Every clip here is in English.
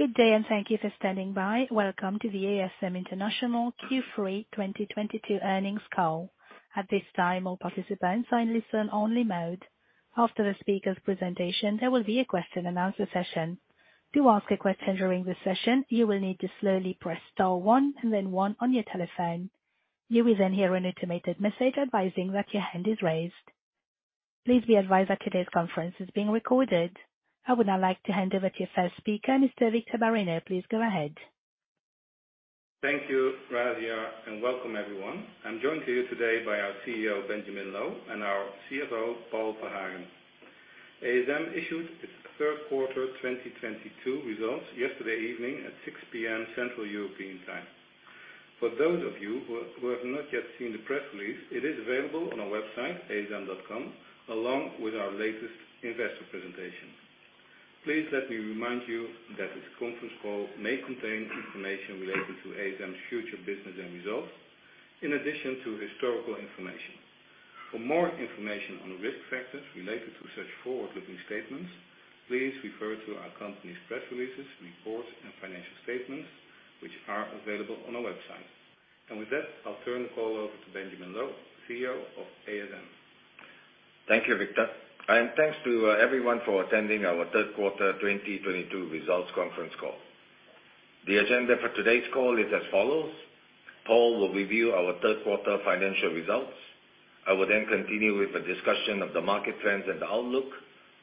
Good day, and thank you for standing by. Welcome to the ASM International Q3 2022 earnings call. At this time, all participants are in listen-only mode. After the speaker's presentation, there will be a question-and-answer session. To ask a question during this session, you will need to slowly press star one, and then one on your telephone. You will then hear an automated message advising that your hand is raised. Please be advised that today's conference is being recorded. I would now like to hand over to your first speaker, Mr. Victor Bareño. Please go ahead. Thank you, Nadia, and welcome everyone. I'm joined here today by our CEO, Benjamin Loh, and our CFO, Paul Verhagen. ASM issued its third quarter 2022 results yesterday evening at 6:00 P.M. Central European Time. For those of you who have not yet seen the press release, it is available on our website, asm.com, along with our latest investor presentation. Please let me remind you that this conference call may contain information related to ASM's future business and results in addition to historical information. For more information on risk factors related to such forward-looking statements, please refer to our company's press releases, reports, and financial statements, which are available on our website. With that, I'll turn the call over to Benjamin Loh, CEO of ASM. Thank you, Victor, and thanks to everyone for attending our third quarter 2022 results conference call. The agenda for today's call is as follows. Paul will review our third quarter financial results. I will then continue with a discussion of the market trends and outlook,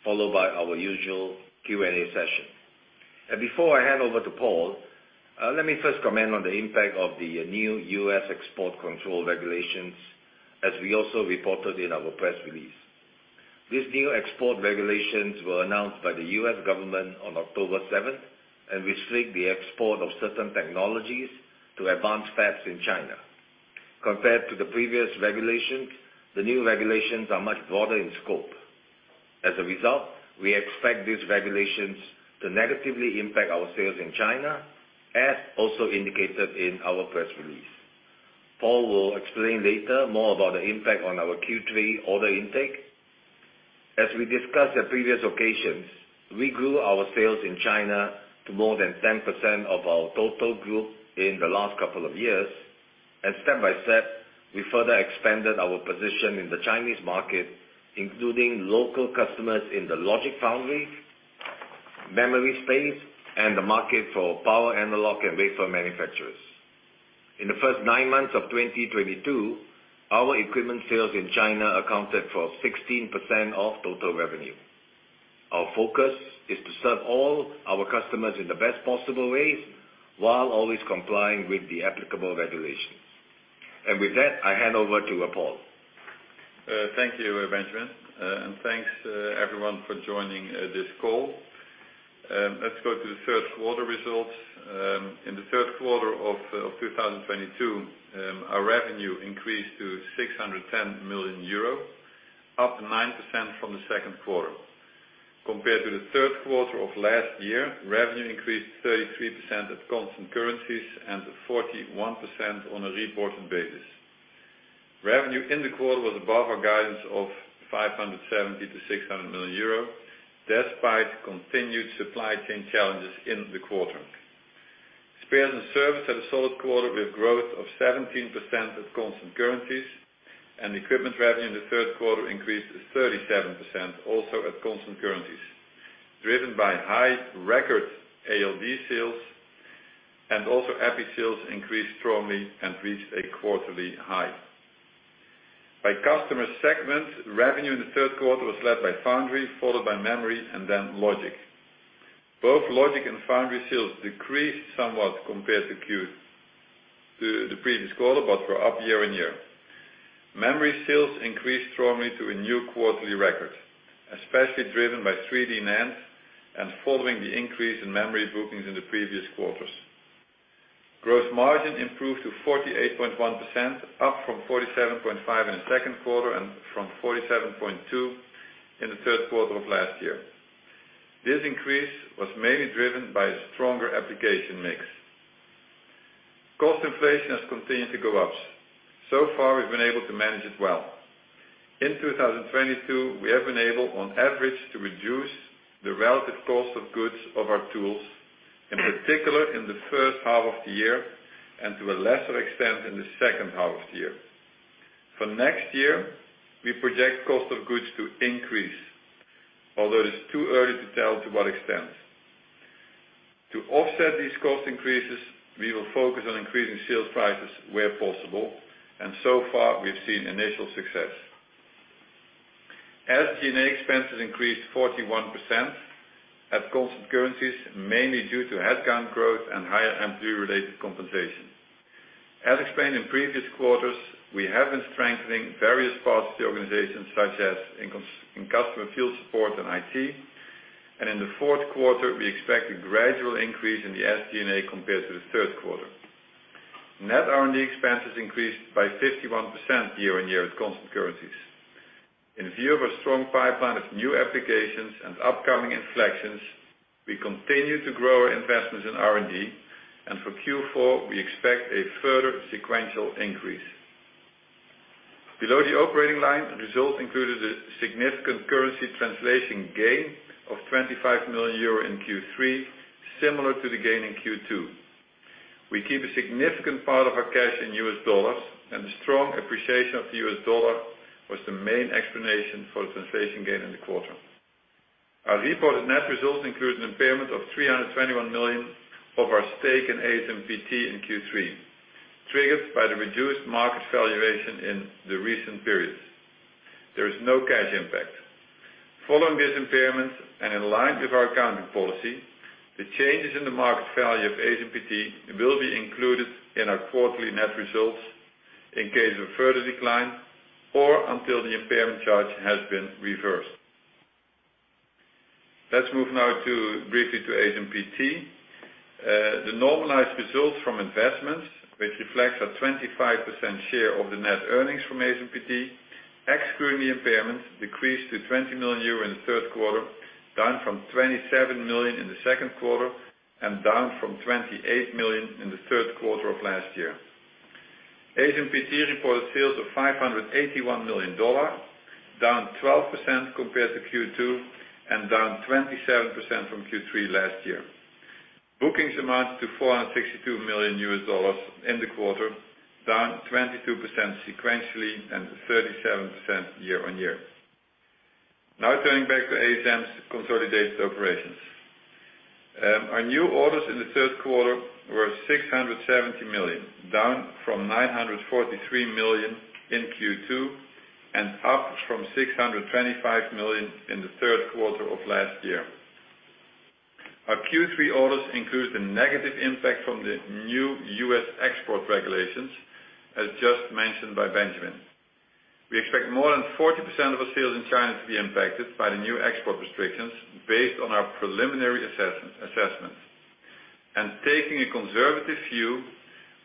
followed by our usual Q&A session. Before I hand over to Paul, let me first comment on the impact of the new U.S. export control regulations, as we also reported in our press release. These new export regulations were announced by the U.S. government on October 7, and restrict the export of certain technologies to advanced fabs in China. Compared to the previous regulations, the new regulations are much broader in scope. As a result, we expect these regulations to negatively impact our sales in China, as also indicated in our press release. Paul will explain later more about the impact on our Q3 order intake. As we discussed at previous occasions, we grew our sales in China to more than 10% of our total group in the last couple of years, and step by step, we further expanded our position in the Chinese market, including local customers in the logic foundry, memory space, and the market for power analog and wafer manufacturers. In the first nine months of 2022, our equipment sales in China accounted for 16% of total revenue. Our focus is to serve all our customers in the best possible ways, while always complying with the applicable regulations. With that, I hand over to Paul. Thank you, Benjamin. Thanks, everyone for joining this call. Let's go to the third quarter results. In the third quarter of 2022, our revenue increased to 610 million euro, up 9% from the second quarter. Compared to the third quarter of last year, revenue increased 33% at constant currencies and 41% on a reported basis. Revenue in the quarter was above our guidance of 570 million-600 million euro, despite continued supply chain challenges in the quarter. Spares and service had a solid quarter with growth of 17% at constant currencies, and equipment revenue in the third quarter increased 37%, also at constant currencies, driven by record high ALD sales, and also EPI sales increased strongly and reached a quarterly high. By customer segment, revenue in the third quarter was led by foundry, followed by memory, and then logic. Both logic and foundry sales decreased somewhat compared to the previous quarter, but were up year-on-year. Memory sales increased strongly to a new quarterly record, especially driven by 3D NAND and following the increase in memory bookings in the previous quarters. Gross margin improved to 48.1%, up from 47.5% in the second quarter and from 47.2% in the third quarter of last year. This increase was mainly driven by a stronger application mix. Cost inflation has continued to go up. So far, we've been able to manage it well. In 2022, we have been able, on average, to reduce the relative cost of goods of our tools, in particular, in the first half of the year, and to a lesser extent in the second half of the year. For next year, we project cost of goods to increase, although it is too early to tell to what extent. To offset these cost increases, we will focus on increasing sales prices where possible, and so far, we've seen initial success. SG&A expenses increased 41% at constant currencies, mainly due to headcount growth and higher employee-related compensation. As explained in previous quarters, we have been strengthening various parts of the organization, such as in customer field support and IT, and in the fourth quarter, we expect a gradual increase in the SG&A compared to the third quarter. Net R&D expenses increased by 51% year-on-year at constant currencies. In view of a strong pipeline of new applications and upcoming inflections, we continue to grow our investments in R&D, and for Q4, we expect a further sequential increase. Below the operating line, the result included a significant currency translation gain of 25 million euro in Q3, similar to the gain in Q2. We keep a significant part of our cash in US dollars, and the strong appreciation of the US dollar was the main explanation for the translation gain in the quarter. Our reported net results include an impairment of 321 million of our stake in ASMPT in Q3, triggered by the reduced market valuation in the recent periods. There is no cash impact. Following this impairment and in line with our accounting policy, the changes in the market value of ASMPT will be included in our quarterly net results in case of further decline or until the impairment charge has been reversed. Let's move now briefly to ASMPT. The normalized results from investments, which reflects our 25% share of the net earnings from ASMPT, excluding the impairment, decreased to 20 million euro in the third quarter, down from 27 million in the second quarter and down from 28 million in the third quarter of last year. ASMPT reported sales of $581 million, down 12% compared to Q2 and down 27% from Q3 last year. Bookings amount to $462 million in the quarter, down 22% sequentially and 37% year-on-year. Now turning back to ASM's consolidated operations. Our new orders in the third quarter were 670 million, down from 943 million in Q2 and up from 625 million in the third quarter of last year. Our Q3 orders include the negative impact from the new U.S. export control regulations, as just mentioned by Benjamin. We expect more than 40% of our sales in China to be impacted by the new export restrictions based on our preliminary assessments. Taking a conservative view,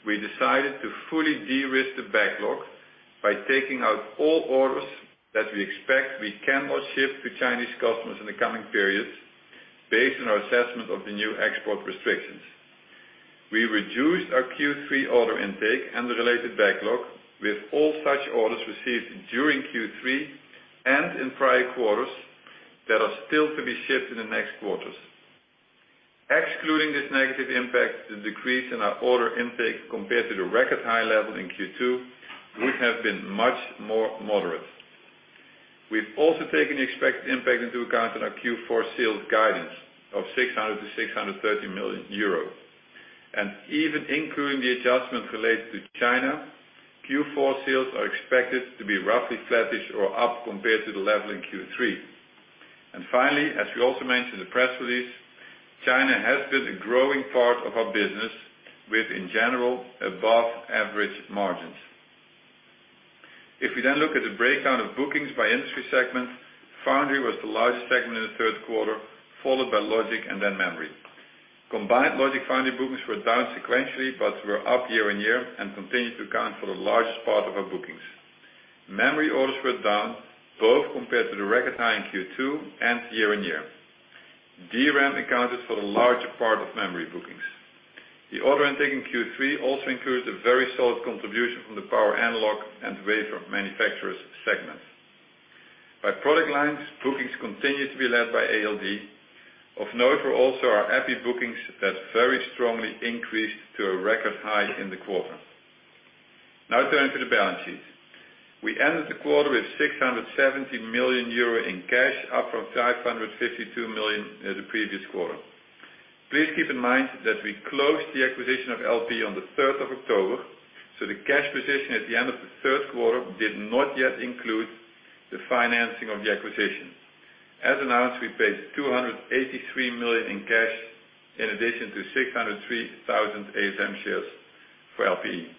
we decided to fully de-risk the backlog by taking out all orders that we expect we cannot ship to Chinese customers in the coming periods based on our assessment of the new export restrictions. We reduced our Q3 order intake and the related backlog with all such orders received during Q3 and in prior quarters that are still to be shipped in the next quarters. Excluding this negative impact, the decrease in our order intake compared to the record high level in Q2 would have been much more moderate. We've also taken the expected impact into account in our Q4 sales guidance of 600 million-630 million euros. Even including the adjustment related to China, Q4 sales are expected to be roughly flattish or up compared to the level in Q3. Finally, as we also mentioned in the press release, China has been a growing part of our business with, in general, above-average margins. If we then look at the breakdown of bookings by industry segment, foundry was the largest segment in the third quarter, followed by logic and then memory. Combined logic foundry bookings were down sequentially, but were up year-on-year and continued to account for the largest part of our bookings. Memory orders were down both compared to the record high in Q2 and year-on-year. DRAM accounted for the larger part of memory bookings. The order intake in Q3 also includes the very solid contribution from the power analog and wafer manufacturers segments. By product lines, bookings continued to be led by ALD. Of note were also our EPI bookings that very strongly increased to a record high in the quarter. Now turning to the balance sheet. We ended the quarter with 670 million euro in cash, up from 552 million in the previous quarter. Please keep in mind that we closed the acquisition of LPE on the third of October, so the cash position at the end of the third quarter did not yet include the financing of the acquisition. As announced, we paid EUR 283 million in cash in addition to 603,000 ASM shares for LPE.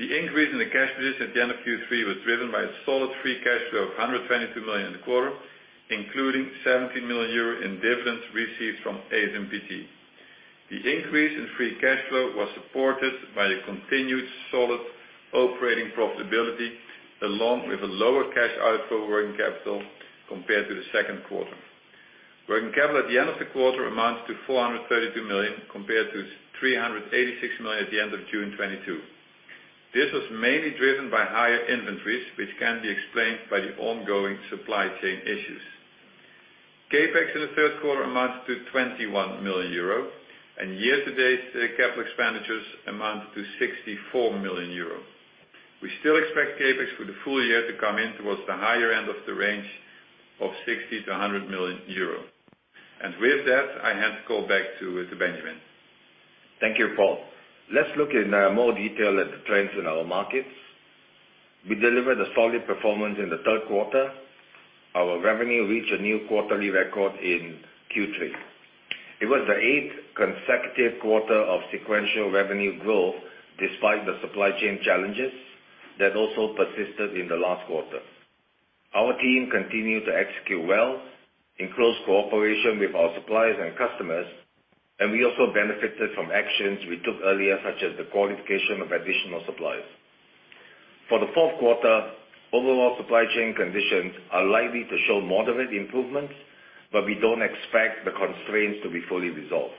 The increase in the cash position at the end of Q3 was driven by a solid free cash flow of 122 million in the quarter, including 70 million euro in dividends received from ASMPT. The increase in free cash flow was supported by the continued solid operating profitability, along with a lower cash outflow working capital compared to the second quarter. Working capital at the end of the quarter amounts to 432 million, compared to 386 million at the end of June 2022. This was mainly driven by higher inventories, which can be explained by the ongoing supply chain issues. CapEx in the third quarter amounts to 21 million euro, and year-to-date, capital expenditures amount to 64 million euro. We still expect CapEx for the full year to come in towards the higher end of the range of 60-100 million euro. With that, I hand the call back to Benjamin. Thank you, Paul. Let's look in more detail at the trends in our markets. We delivered a solid performance in the third quarter. Our revenue reached a new quarterly record in Q3. It was the eighth consecutive quarter of sequential revenue growth despite the supply chain challenges that also persisted in the last quarter. Our team continued to execute well in close cooperation with our suppliers and customers, and we also benefited from actions we took earlier, such as the qualification of additional suppliers. For the fourth quarter, overall supply chain conditions are likely to show moderate improvements, but we don't expect the constraints to be fully resolved.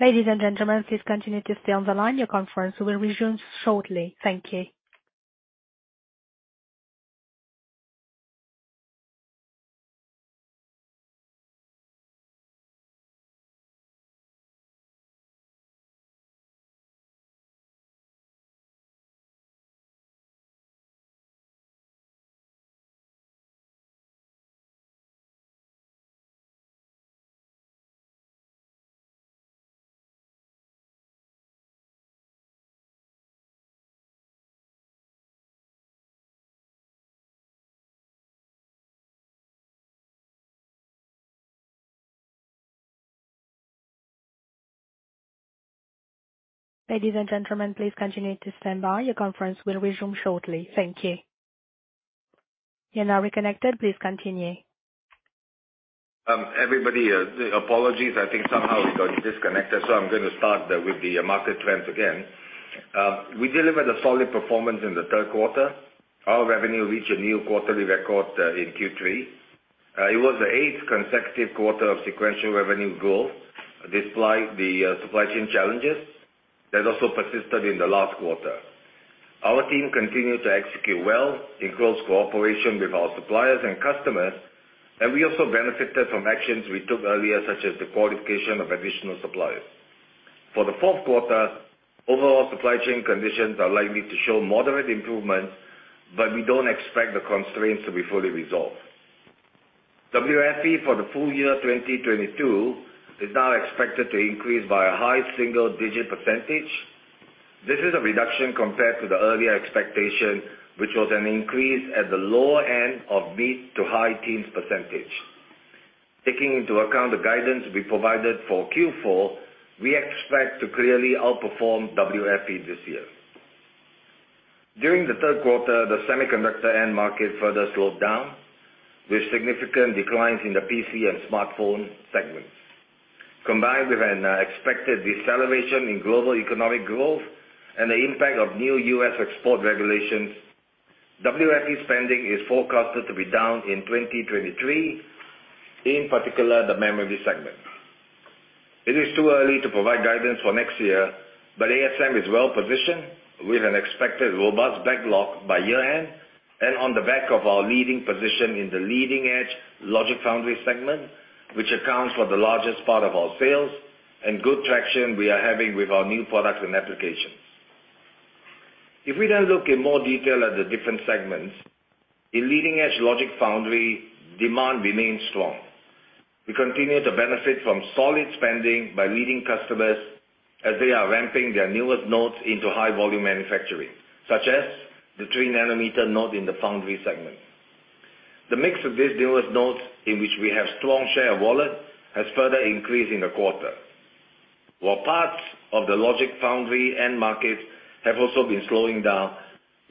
Ladies and gentlemen, please continue to stay on the line. Your conference will resume shortly. Thank you. Ladies and gentlemen, please continue to stand by. Your conference will resume shortly. Thank you. You're now reconnected. Please continue. Everybody, apologies. I think somehow we got disconnected, so I'm gonna start with the market trends again. We delivered a solid performance in the third quarter. Our revenue reached a new quarterly record in Q3. It was the 8th consecutive quarter of sequential revenue growth despite the supply chain challenges that also persisted in the last quarter. Our team continued to execute well in close cooperation with our suppliers and customers, and we also benefited from actions we took earlier, such as the qualification of additional suppliers. For the fourth quarter, overall supply chain conditions are likely to show moderate improvements, but we don't expect the constraints to be fully resolved. WFE for the full year 2022 is now expected to increase by a high single-digit %. This is a reduction compared to the earlier expectation, which was an increase at the lower end of mid- to high-teens %. Taking into account the guidance we provided for Q4, we expect to clearly outperform WFE this year. During the third quarter, the semiconductor end market further slowed down, with significant declines in the PC and smartphone segments. Combined with an expected deceleration in global economic growth and the impact of new U.S. export regulations, WFE spending is forecasted to be down in 2023, in particular, the memory segment. It is too early to provide guidance for next year, but ASM is well-positioned with an expected robust backlog by year-end and on the back of our leading position in the leading-edge logic foundry segment, which accounts for the largest part of our sales and good traction we are having with our new products and applications. If we then look in more detail at the different segments, in leading-edge logic foundry, demand remains strong. We continue to benefit from solid spending by leading customers as they are ramping their newest nodes into high volume manufacturing, such as the 3-nanometer node in the foundry segment. The mix of these newest nodes in which we have strong share of wallet has further increased in the quarter. While parts of the logic foundry end markets have also been slowing down,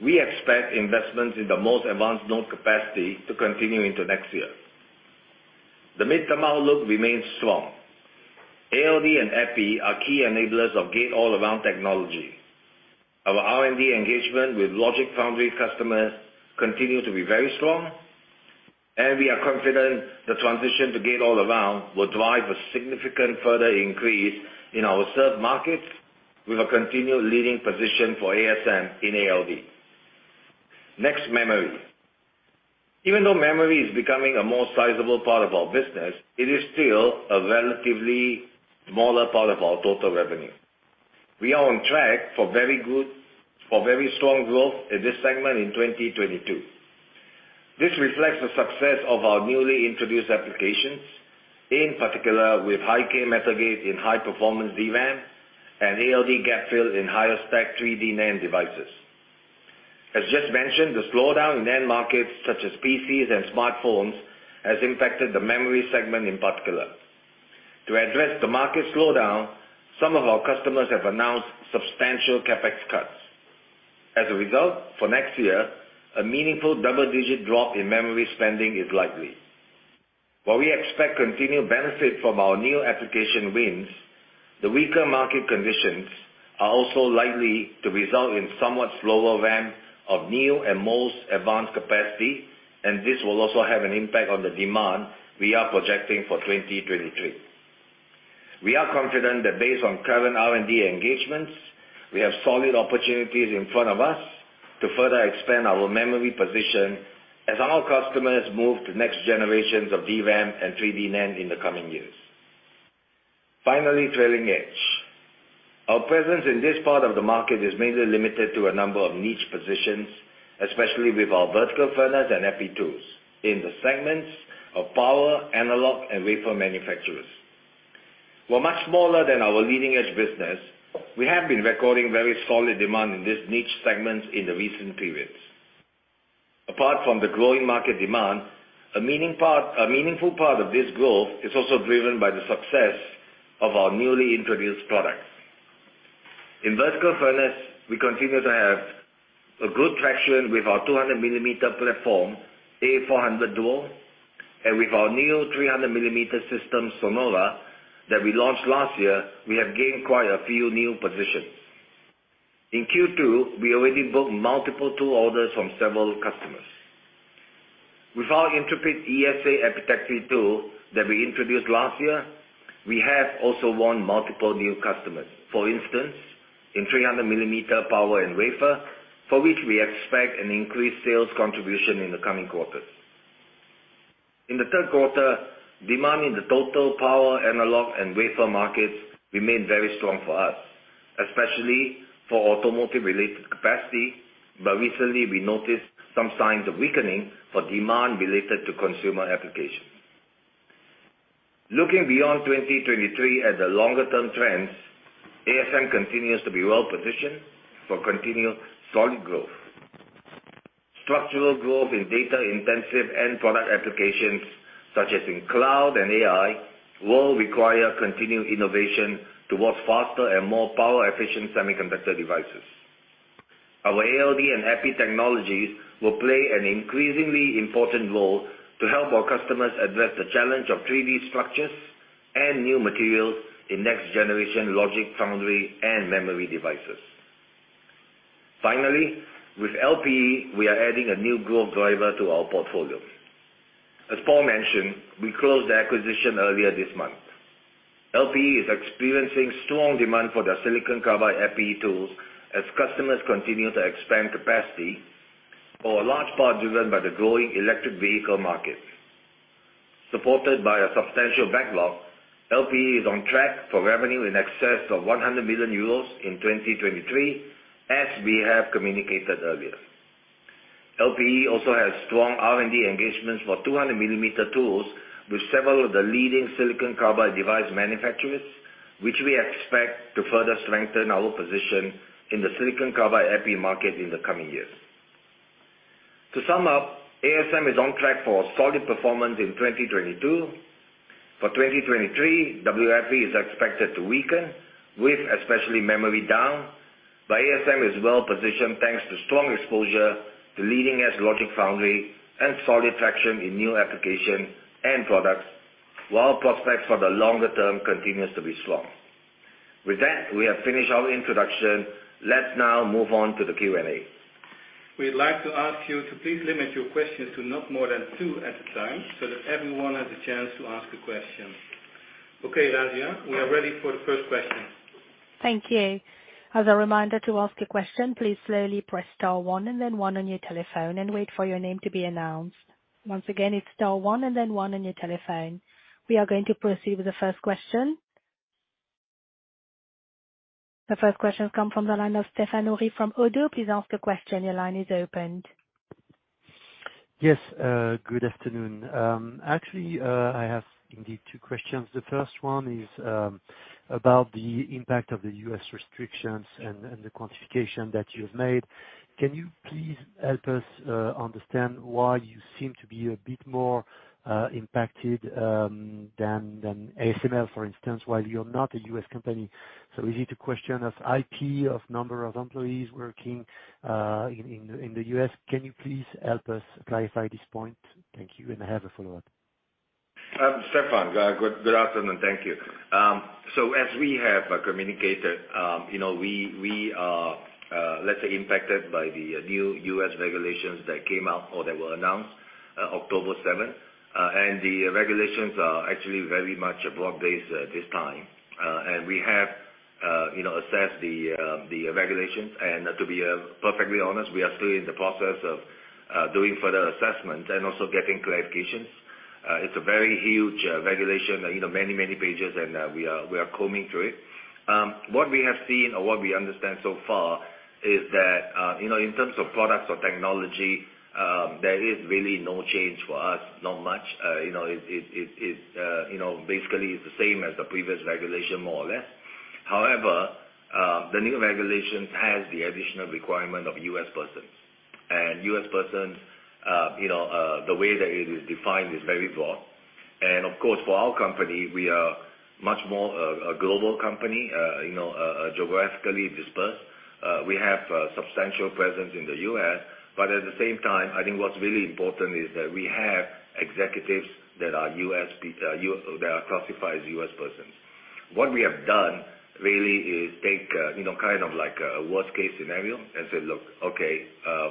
we expect investments in the most advanced node capacity to continue into next year. The midterm outlook remains strong. ALD and EPI are key enablers of Gate-All-Around technology. Our R&D engagement with logic foundry customers continues to be very strong, and we are confident the transition to Gate-All-Around will drive a significant further increase in our served markets with a continued leading position for ASM in ALD. Next, memory. Even though memory is becoming a more sizable part of our business, it is still a relatively smaller part of our total revenue. We are on track for very strong growth in this segment in 2022. This reflects the success of our newly introduced applications, in particular with High-K Metal Gate in high-performance DRAM and ALD gap-fill in higher stack 3D NAND devices. As just mentioned, the slowdown in end markets such as PCs and smartphones has impacted the memory segment in particular. To address the market slowdown, some of our customers have announced substantial CapEx cuts. As a result, for next year, a meaningful double-digit drop in memory spending is likely. While we expect continued benefit from our new application wins, the weaker market conditions are also likely to result in somewhat slower ramp of new and most advanced capacity, and this will also have an impact on the demand we are projecting for 2023. We are confident that based on current R&D engagements, we have solid opportunities in front of us to further expand our memory position as our customers move to next generations of DRAM and 3D NAND in the coming years. Finally, trailing edge. Our presence in this part of the market is mainly limited to a number of niche positions, especially with our vertical furnace and EPI tools in the segments of power, analog, and wafer manufacturers. We're much smaller than our leading-edge business, we have been recording very solid demand in these niche segments in the recent periods. Apart from the growing market demand, a meaningful part of this growth is also driven by the success of our newly introduced products. In vertical furnace, we continue to have a good traction with our 200 mm platform, A400 DUO, and with our new 300 mm system, SONORA, that we launched last year, we have gained quite a few new positions. In Q2, we already booked multiple tool orders from several customers. With our Intrepid ESA epitaxy tool that we introduced last year, we have also won multiple new customers. For instance, in 300 mm power and wafer, for which we expect an increased sales contribution in the coming quarters. In the third quarter, demand in the total power analog and wafer markets remained very strong for us, especially for automotive-related capacity, but recently we noticed some signs of weakening for demand related to consumer applications. Looking beyond 2023 at the longer-term trends, ASM continues to be well-positioned for continued solid growth. Structural growth in data-intensive end product applications, such as in cloud and AI, will require continued innovation towards faster and more power-efficient semiconductor devices. Our ALD and EPI technologies will play an increasingly important role to help our customers address the challenge of 3D structures and new materials in next-generation logic foundry and memory devices. Finally, with LPE, we are adding a new growth driver to our portfolio. As Paul mentioned, we closed the acquisition earlier this month. LPE is experiencing strong demand for their silicon carbide EPI tools as customers continue to expand capacity for a large part driven by the growing electric vehicle market. Supported by a substantial backlog, LPE is on track for revenue in excess of 100 million euros in 2023, as we have communicated earlier. LPE also has strong R&D engagements for 200 millimeter tools with several of the leading silicon carbide device manufacturers, which we expect to further strengthen our position in the silicon carbide EPI market in the coming years. To sum up, ASM is on track for a solid performance in 2022. For 2023, WFE is expected to weaken with especially memory down, but ASM is well positioned thanks to strong exposure to leading-edge logic foundry and solid traction in new application and products, while prospects for the longer term continues to be strong. With that, we have finished our introduction. Let's now move on to the Q&A. We'd like to ask you to please limit your questions to not more than two at a time so that everyone has a chance to ask a question. Okay, Nadia, we are ready for the first question. Thank you. As a reminder to ask a question, please slowly press star one and then one on your telephone and wait for your name to be announced. Once again, it's star one and then one on your telephone. We are going to proceed with the first question. The first question comes from the line of Stéphane Houri from Oddo BHF. Please ask your question. Your line is open. Yes, good afternoon. Actually, I have indeed two questions. The first one is about the impact of the U.S. restrictions and the quantification that you've made. Can you please help us understand why you seem to be a bit more impacted than ASML, for instance, while you're not a U.S. company? Is it a question of IP, of number of employees working in the U.S.? Can you please help us clarify this point? Thank you. I have a follow-up. Stéphane, good afternoon. Thank you. So as we have communicated, you know, we are, let's say impacted by the new U.S. regulations that came out or that were announced, October seventh. The regulations are actually very much broad-based at this time. We have, you know, assessed the regulations. To be perfectly honest, we are still in the process of doing further assessment and also getting clarifications. It's a very huge regulation, you know, many pages, and we are combing through it. What we have seen or what we understand so far is that, you know, in terms of products or technology, there is really no change for us, not much. You know, it basically is the same as the previous regulation, more or less. However, the new regulations has the additional requirement of U.S. persons. U.S. persons, you know, the way that it is defined is very broad. Of course, for our company, we are much more a global company, you know, geographically dispersed. We have substantial presence in the U.S., but at the same time, I think what's really important is that we have executives that are classified as U.S. persons. What we have done really is take, you know, kind of like a worst-case scenario and say, "Look, okay,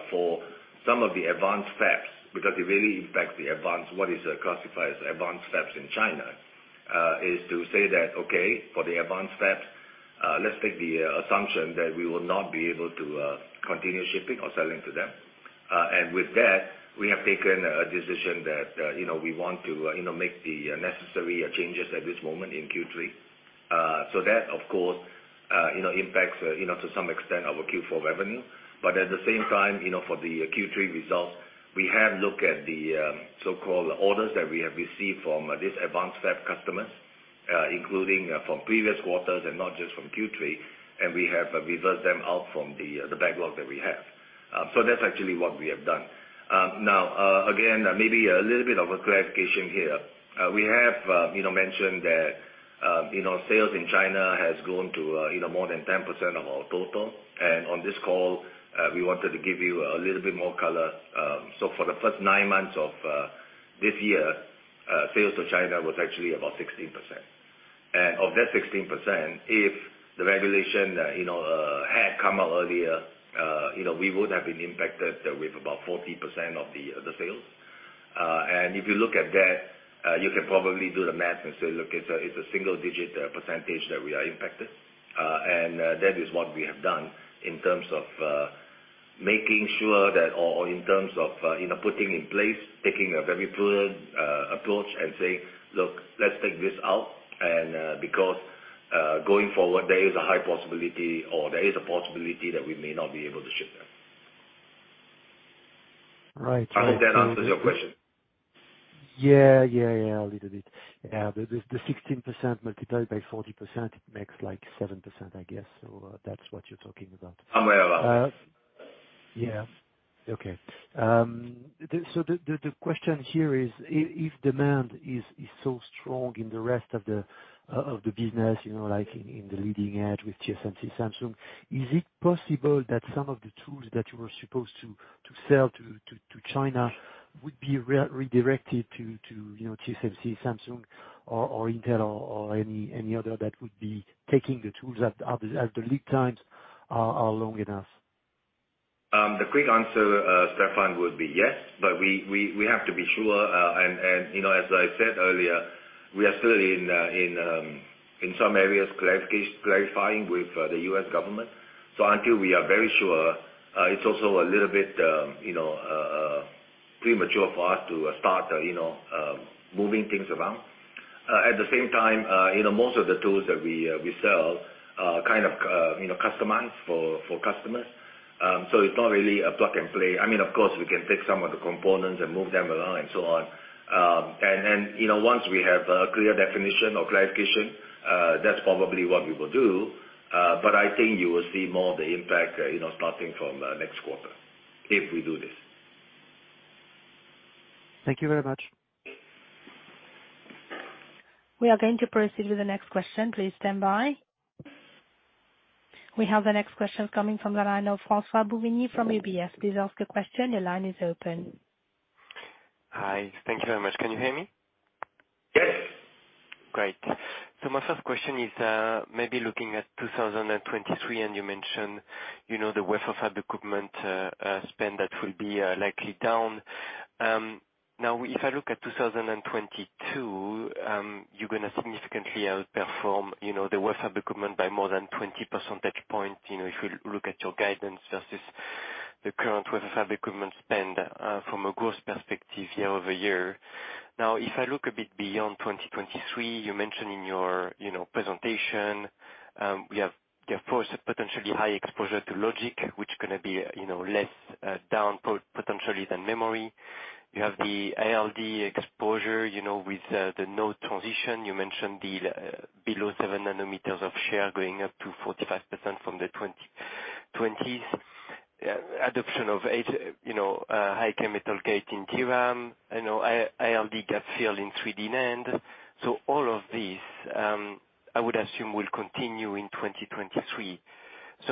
for some of the advanced fabs," because it really impacts the advanced, what is, classified as advanced fabs in China, is to say that, "Okay, for the advanced fabs, let's take the assumption that we will not be able to continue shipping or selling to them." With that, we have taken a decision that, you know, we want to, you know, make the necessary changes at this moment in Q3. That of course, you know, impacts, you know, to some extent our Q4 revenue. At the same time, you know, for the Q3 results, we have looked at the so-called orders that we have received from these advanced fab customers, including from previous quarters and not just from Q3, and we have reversed them out from the backlog that we have. So that's actually what we have done. Now, again, maybe a little bit of a clarification here. We have, you know, mentioned that, you know, sales in China has grown to, you know, more than 10% of our total. On this call, we wanted to give you a little bit more color. So for the first nine months of this year, sales to China was actually about 16%. Of that 16%, if the regulation, you know, had come out earlier, you know, we would have been impacted with about 40% of the sales. If you look at that, you can probably do the math and say, "Look, it's a single-digit percentage that we are impacted." That is what we have done in terms of making sure that, or in terms of, you know, putting in place, taking a very prudent approach and saying, "Look, let's take this out." Because, going forward, there is a high possibility or there is a possibility that we may not be able to ship them. All right. I think that answers your question. Yeah. Yeah, yeah. A little bit. Yeah. The 16% multiplied by 40%, it makes like 7%, I guess. That's what you're talking about. Somewhere around. Yeah. Okay. The question here is, if demand is so strong in the rest of the business, you know, like in the leading edge with TSMC Samsung, is it possible that some of the tools that you were supposed to sell to China would be redirected to, you know, TSMC Samsung or Intel or any other that would be taking the tools as the lead times are long enough? The quick answer, Stéphane, would be yes. We have to be sure. You know, as I said earlier, we are still in some areas clarifying with the U.S. government. Until we are very sure, it's also a little bit you know premature for us to start you know moving things around. At the same time, you know, most of the tools that we sell are kind of you know customized for customers. It's not really a plug and play. I mean, of course, we can take some of the components and move them around and so on. You know, once we have a clear definition or clarification, that's probably what we will do. I think you will see more of the impact, you know, starting from next quarter if we do this. Thank you very much. We are going to proceed with the next question. Please stand by. We have the next question coming from the line of Francois-Xavier Bouvignies from UBS. Please ask your question. Your line is open. Hi. Thank you very much. Can you hear me? Yes. Great. My first question is, maybe looking at 2023, and you mentioned, you know, the wafer fab equipment spend that will be likely down. Now, if I look at 2022, you're gonna significantly outperform, you know, the wafer fab equipment by more than 20 percentage points. You know, if you look at your guidance versus the current wafer fab equipment spend, from a growth perspective year-over-year. Now, if I look a bit beyond 2023, you mentioned in your, you know, presentation, we have, of course, a potentially high exposure to logic, which is gonna be, you know, less down potentially than memory. You have the ALD exposure, you know, with the node transition. You mentioned the below 7 nanometers of share going up to 45% from the 2020s. Adoption of high-k metal gate in DRAM. You know, ALD gap-fill in 3D NAND. All of these, I would assume will continue in 2023.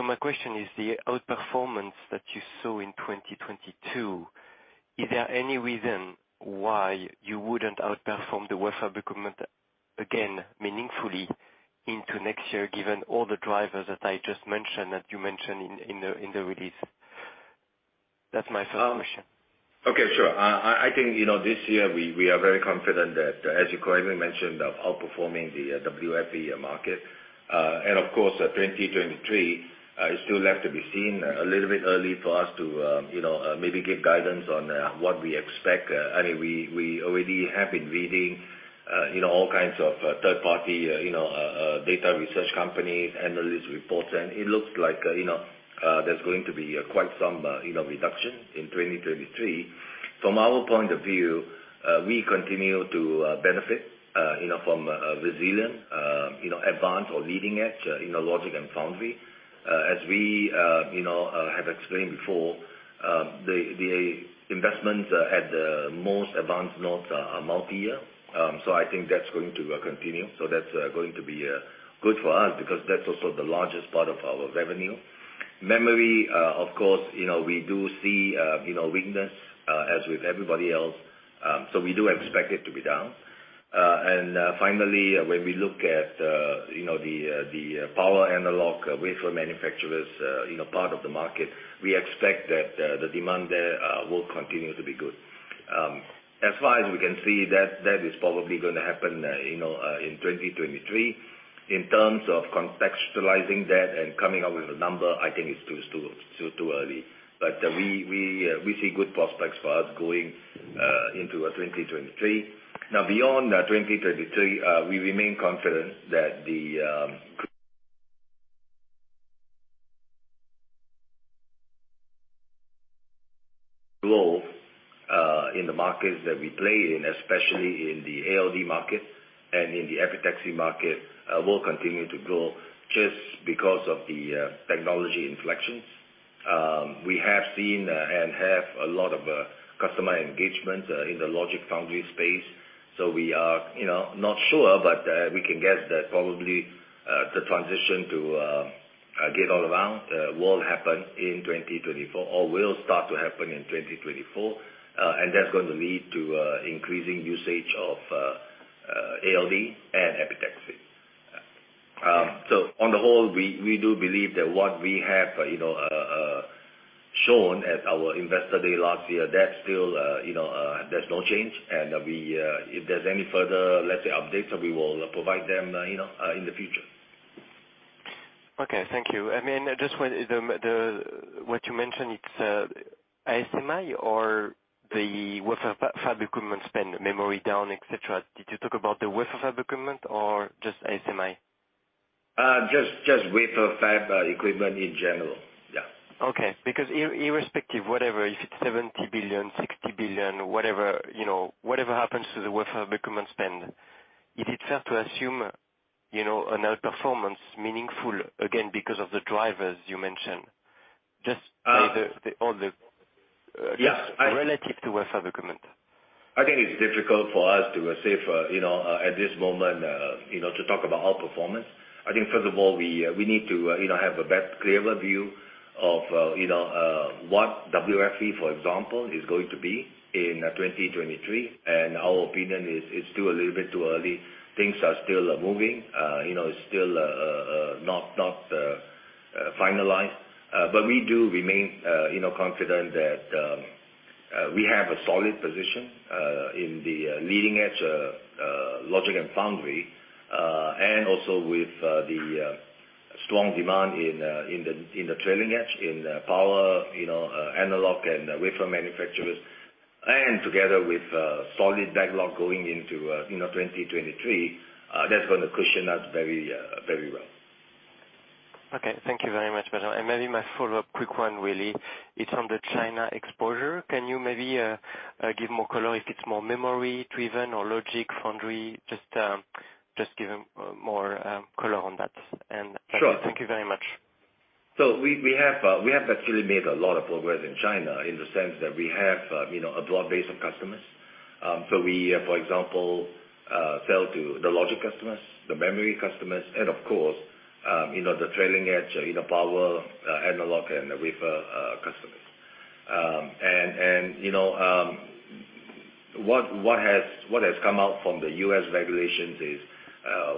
My question is, the outperformance that you saw in 2022, is there any reason why you wouldn't outperform the wafer fab equipment again meaningfully into next year, given all the drivers that I just mentioned, that you mentioned in the release? That's my first question. Okay, sure. I think, you know, this year we are very confident that, as you correctly mentioned, of outperforming the WFE market. Of course, 2023 is still left to be seen. A little bit early for us to, you know, maybe give guidance on what we expect. I mean, we already have been reading, you know, all kinds of third party, you know, data research companies, analyst reports, and it looks like, you know, there's going to be quite some, you know, reduction in 2023. From our point of view, we continue to benefit, you know, from resilient, you know, advanced or leading edge, you know, logic and foundry. As we, you know, have explained before, the investments at the most advanced nodes are multi-year. I think that's going to continue. That's going to be good for us because that's also the largest part of our revenue. Memory, of course, you know, we do see, you know, weakness, as with everybody else, so we do expect it to be down. Finally, when we look at, you know, the power analog wafer manufacturers, you know, part of the market, we expect that the demand there will continue to be good. As far as we can see, that is probably gonna happen, you know, in 2023. In terms of contextualizing that and coming up with a number, I think it's still too early. We see good prospects for us going into 2023. Now, beyond 2023, we remain confident that the growth in the markets that we play in, especially in the ALD market and in the epitaxy market, will continue to grow just because of the technology inflections. We have seen and have a lot of customer engagement in the logic foundry space. We are, you know, not sure, but we can guess that probably the transition to Gate-All-Around will happen in 2024 or will start to happen in 2024. And that's going to lead to increasing usage of ALD and epitaxy. On the whole, we do believe that what we have, you know, shown at our Investor Day last year, that's still, you know, there's no change. We, if there's any further, let's say, updates, we will provide them, you know, in the future. Okay. Thank you. I mean, just what you mentioned, it's ASMI or the wafer fab equipment spend memory down, et cetera. Did you talk about the wafer fab equipment or just ASMI? Just wafer fab equipment in general. Yeah. Okay. Because irrespective, whatever, if it's 70 billion, 60 billion, whatever, you know, whatever happens to the wafer fab equipment spend, is it fair to assume, you know, an outperformance meaningful again because of the drivers you mentioned? Just Uh. -the, all the- Yes. Just relative to wafer fab equipment. I think it's difficult for us to say for, you know, at this moment, you know, to talk about outperformance. I think first of all, we need to, you know, have a better, clearer view of, you know, what WFE, for example, is going to be in 2023. Our opinion is, it's still a little bit too early. Things are still moving. You know, it's still not finalized. We do remain, you know, confident that, we have a solid position, in the leading edge, logic and foundry, and also with the strong demand in the trailing edge in the power, you know, analog and wafer manufacturers. Together with solid backlog going into, you know, 2023, that's gonna cushion us very well. Okay. Thank you very much, Benjamin Loh. Maybe my follow-up quick one really is on the China exposure. Can you maybe give more color if it's more memory-driven or logic foundry? Just give more color on that. Sure. Thank you very much. We have actually made a lot of progress in China in the sense that we have you know, a broad base of customers. We for example sell to the logic customers, the memory customers and of course you know, the trailing edge you know, power analog and wafer customers. What has come out from the U.S. regulations is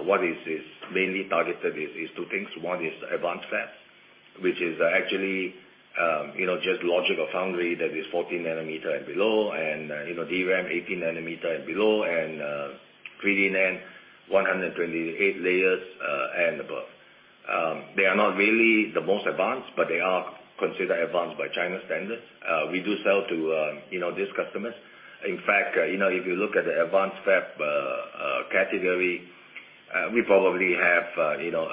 what is mainly targeted is two things. One is advanced fab, which is actually you know, just logic or foundry that is 14 nanometer and below and you know, DRAM 18 nanometer and below and 3D NAND 128 layers and above. They are not really the most advanced, but they are considered advanced by China standards. We do sell to, you know, these customers. In fact, you know, if you look at the advanced fab category, we probably have, you know,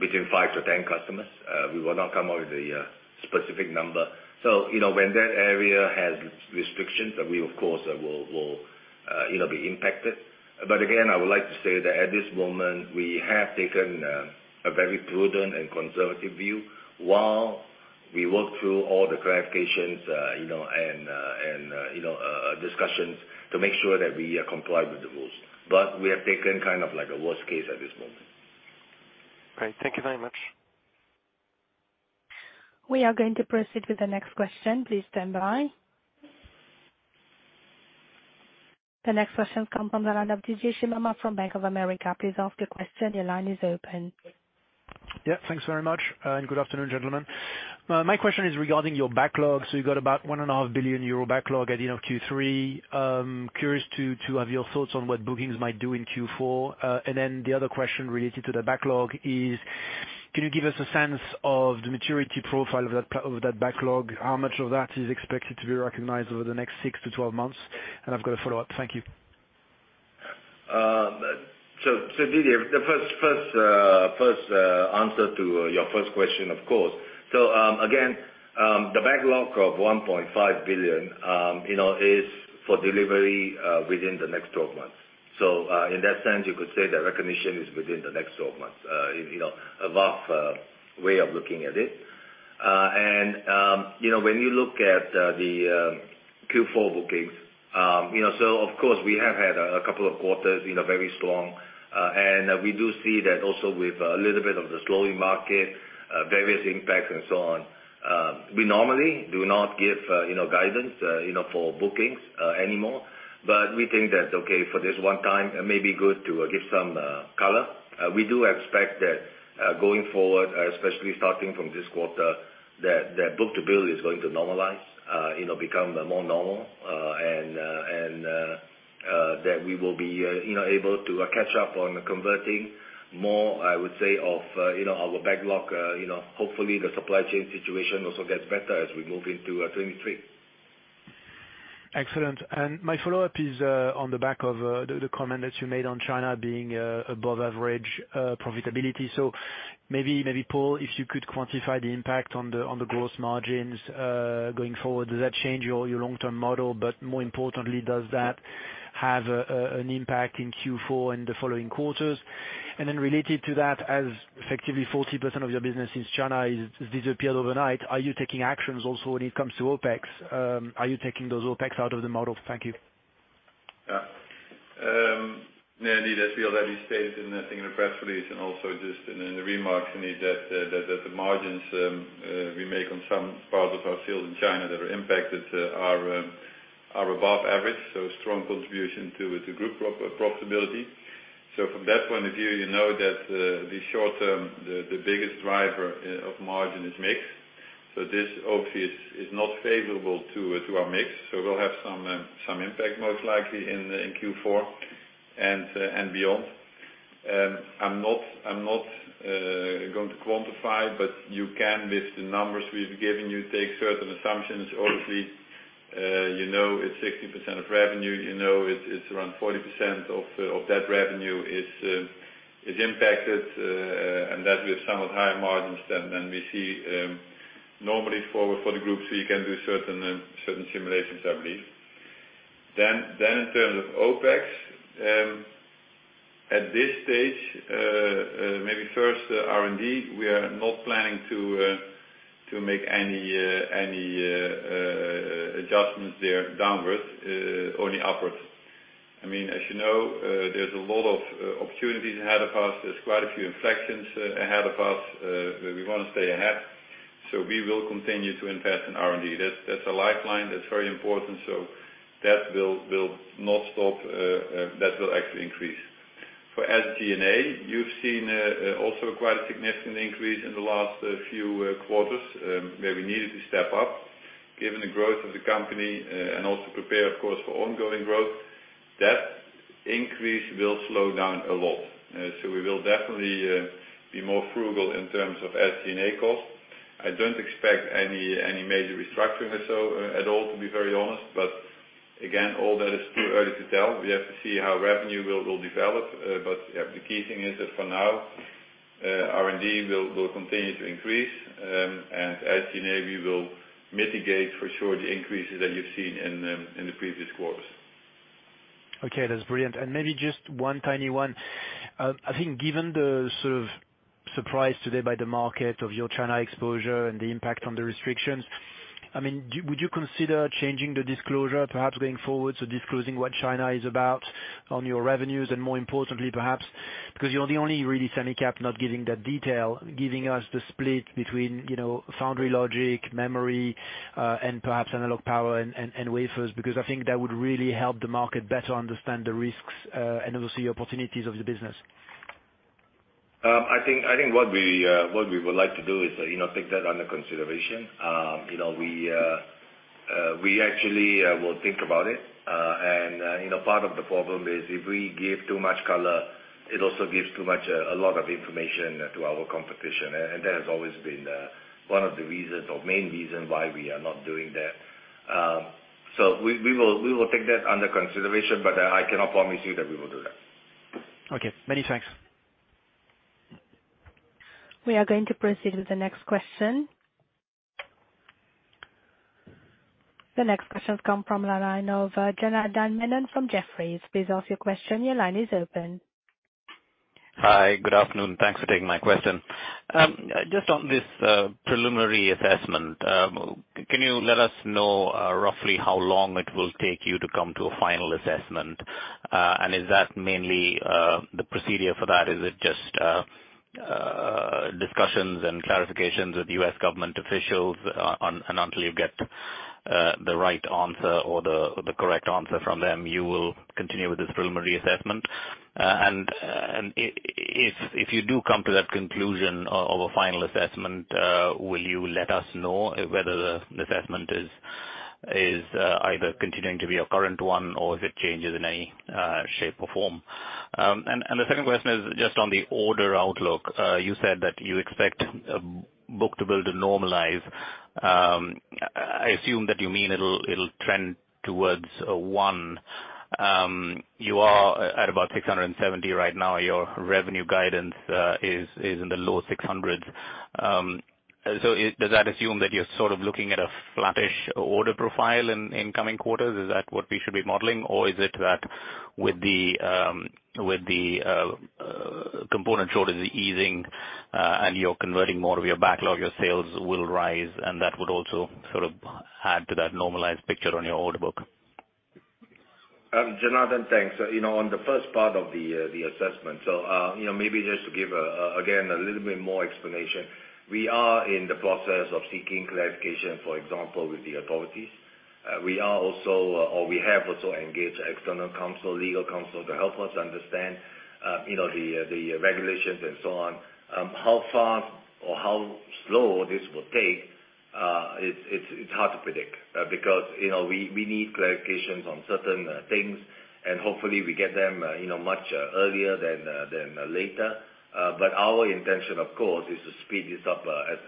between 5-10 customers. We will not come out with a specific number. You know, when that area has restrictions, then we of course will, you know, be impacted. Again, I would like to say that at this moment we have taken a very prudent and conservative view while we work through all the clarifications, you know, and discussions to make sure that we are compliant with the rules. We have taken kind of like a worst case at this moment. Great. Thank you very much. We are going to proceed with the next question. Please stand by. The next question comes from the line of Didier Scemama from Bank of America. Please ask the question. Your line is open. Yeah. Thanks very much. Good afternoon, gentlemen. My question is regarding your backlog. You got about 1.5 billion euro backlog at the end of Q3. Curious to have your thoughts on what bookings might do in Q4. The other question related to the backlog is can you give us a sense of the maturity profile of that backlog? How much of that is expected to be recognized over the next 6-12 months? I've got a follow-up. Thank you. Didier, the first answer to your first question, of course. Again, the backlog of 1.5 billion, you know, is for delivery within the next 12 months. In that sense, you could say that recognition is within the next 12 months. You know, a rough way of looking at it. You know, when you look at the Q4 bookings, you know, of course, we have had a couple of quarters, you know, very strong. We do see that also with a little bit of the slowing market, various impacts and so on. We normally do not give, you know, guidance, you know, for bookings, anymore, but we think that, for this one time it may be good to give some, color. We do expect that, going forward, especially starting from this quarter, that book-to-bill is going to normalize, you know, become more normal, and that we will be, you know, able to catch up on converting more, I would say, of, you know, our backlog. You know, hopefully, the supply chain situation also gets better as we move into, 2023. Excellent. My follow-up is on the back of the comment that you made on China being above-average profitability. Maybe Paul, if you could quantify the impact on the gross margins going forward. Does that change your long-term model, but more importantly, does that have an impact in Q4 and the following quarters? Related to that, as effectively 40% of your business is China has disappeared overnight, are you taking actions also when it comes to OpEx? Are you taking those OpEx out of the model? Thank you. Yeah. No need. As we already stated in, I think, in the press release and also just in the remarks, I mean, that the margins we make on some parts of our sales in China that are impacted are above average, so strong contribution to group profitability. From that point of view, you know that the short-term, the biggest driver of margin is mix. This obviously is not favorable to our mix. We'll have some impact most likely in Q4 and beyond. I'm not going to quantify, but you can, with the numbers we've given you, take certain assumptions. Obviously, you know it's 60% of revenue, you know it's around 40% of that revenue is impacted, and that with somewhat higher margins than we see normally forward for the group. You can do certain simulations, I believe. In terms of OpEx, at this stage, maybe first R&D, we are not planning to make any adjustments there downwards, only upwards. I mean, as you know, there's a lot of opportunities ahead of us. There's quite a few inflections ahead of us, we want to stay ahead, so we will continue to invest in R&D. That's a lifeline, that's very important, so that will not stop, that will actually increase. For SG&A, you've seen also quite a significant increase in the last few quarters, where we needed to step up given the growth of the company, and also prepare, of course, for ongoing growth. That increase will slow down a lot. We will definitely be more frugal in terms of SG&A costs. I don't expect any major restructuring or so at all, to be very honest. Again, all that is too early to tell. We have to see how revenue will develop. Yeah, the key thing is that for now, R&D will continue to increase. SG&A, we will mitigate for sure the increases that you've seen in the previous quarters. Okay, that's brilliant. Maybe just one tiny one. I think given the sort of surprise today by the market of your China exposure and the impact on the restrictions, I mean, do you, would you consider changing the disclosure perhaps going forward, so disclosing what China is about on your revenues, and more importantly perhaps, because you're the only really semi-cap not giving that detail, giving us the split between, you know, foundry logic, memory, and perhaps analog power and wafers, because I think that would really help the market better understand the risks and also the opportunities of the business. I think what we would like to do is, you know, take that under consideration. You know we actually will think about it. Part of the problem is if we give too much color, it also gives too much, a lot of information to our competition. That has always been one of the reasons or main reason why we are not doing that. We will take that under consideration, but I cannot promise you that we will do that. Okay. Many thanks. We are going to proceed with the next question. The next question come from the line of Janardan Menon from Jefferies. Please ask your question. Your line is open. Hi, good afternoon. Thanks for taking my question. Just on this preliminary assessment, can you let us know roughly how long it will take you to come to a final assessment? And is that mainly the procedure for that? Is it just discussions and clarifications with U.S. government officials, and until you get the right answer or the correct answer from them, you will continue with this preliminary assessment? And if you do come to that conclusion of a final assessment, will you let us know whether the assessment is either continuing to be a current one or if it changes in any shape or form? The second question is just on the order outlook. You said that you expect book-to-bill to normalize. I assume that you mean it'll trend towards one. You are at about 670 right now. Your revenue guidance is in the low EUR 600s. Does that assume that you're sort of looking at a flattish order profile in incoming quarters? Is that what we should be modeling? Or is it that with the component shortages easing, and you're converting more of your backlog, your sales will rise, and that would also sort of add to that normalized picture on your order book? Janardan, thanks. You know, on the first part of the assessment, you know, maybe just to give again a little bit more explanation. We are in the process of seeking clarification, for example, with the authorities. We have also engaged external counsel, legal counsel to help us understand, you know, the regulations and so on. How fast or how slow this will take, it's hard to predict, because, you know, we need clarifications on certain things and hopefully we get them, you know, much earlier than later. But our intention, of course, is to speed this up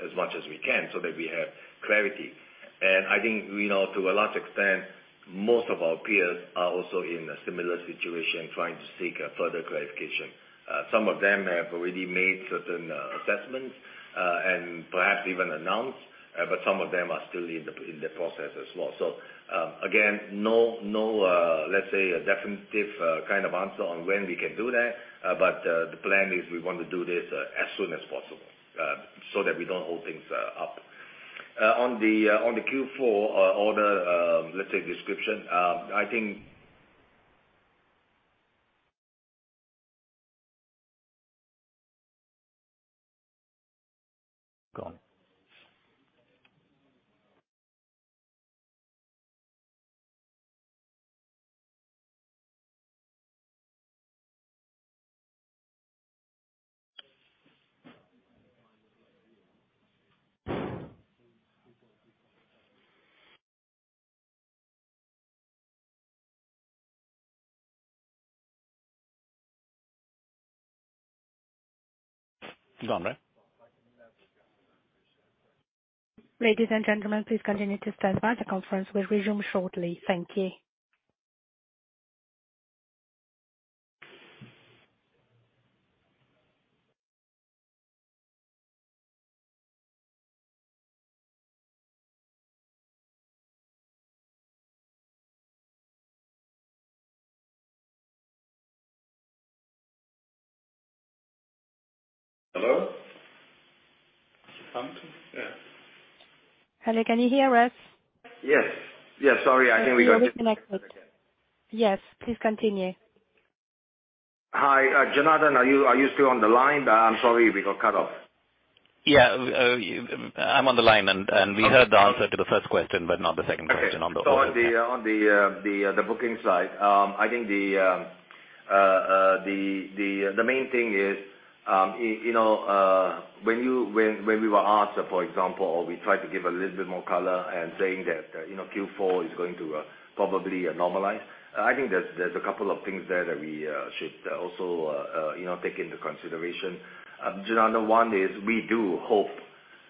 as much as we can so that we have clarity. I think we know to a large extent. Most of our peers are also in a similar situation trying to seek a further clarification. Some of them have already made certain assessments and perhaps even announced, but some of them are still in the process as well. Again, no, let's say a definitive kind of answer on when we can do that, but the plan is we want to do this as soon as possible so that we don't hold things up. On the Q4 order, let's say description, I think. Ladies and gentlemen, please continue to stand by. The conference will resume shortly. Thank you. Hello? Hello, can you hear us? Yes. Sorry, I think we got. We're disconnected. Yes. Please continue. Hi, Jonardan, are you still on the line? I'm sorry we got cut off. Yeah. I'm on the line and we heard the answer to the first question, but not the second question on the order. On the booking side, I think the main thing is, you know, when we were asked, for example, or we tried to give a little bit more color and saying that, you know, Q4 is going to probably normalize. I think there's a couple of things there that we should also, you know, take into consideration. Janardan, one is we do hope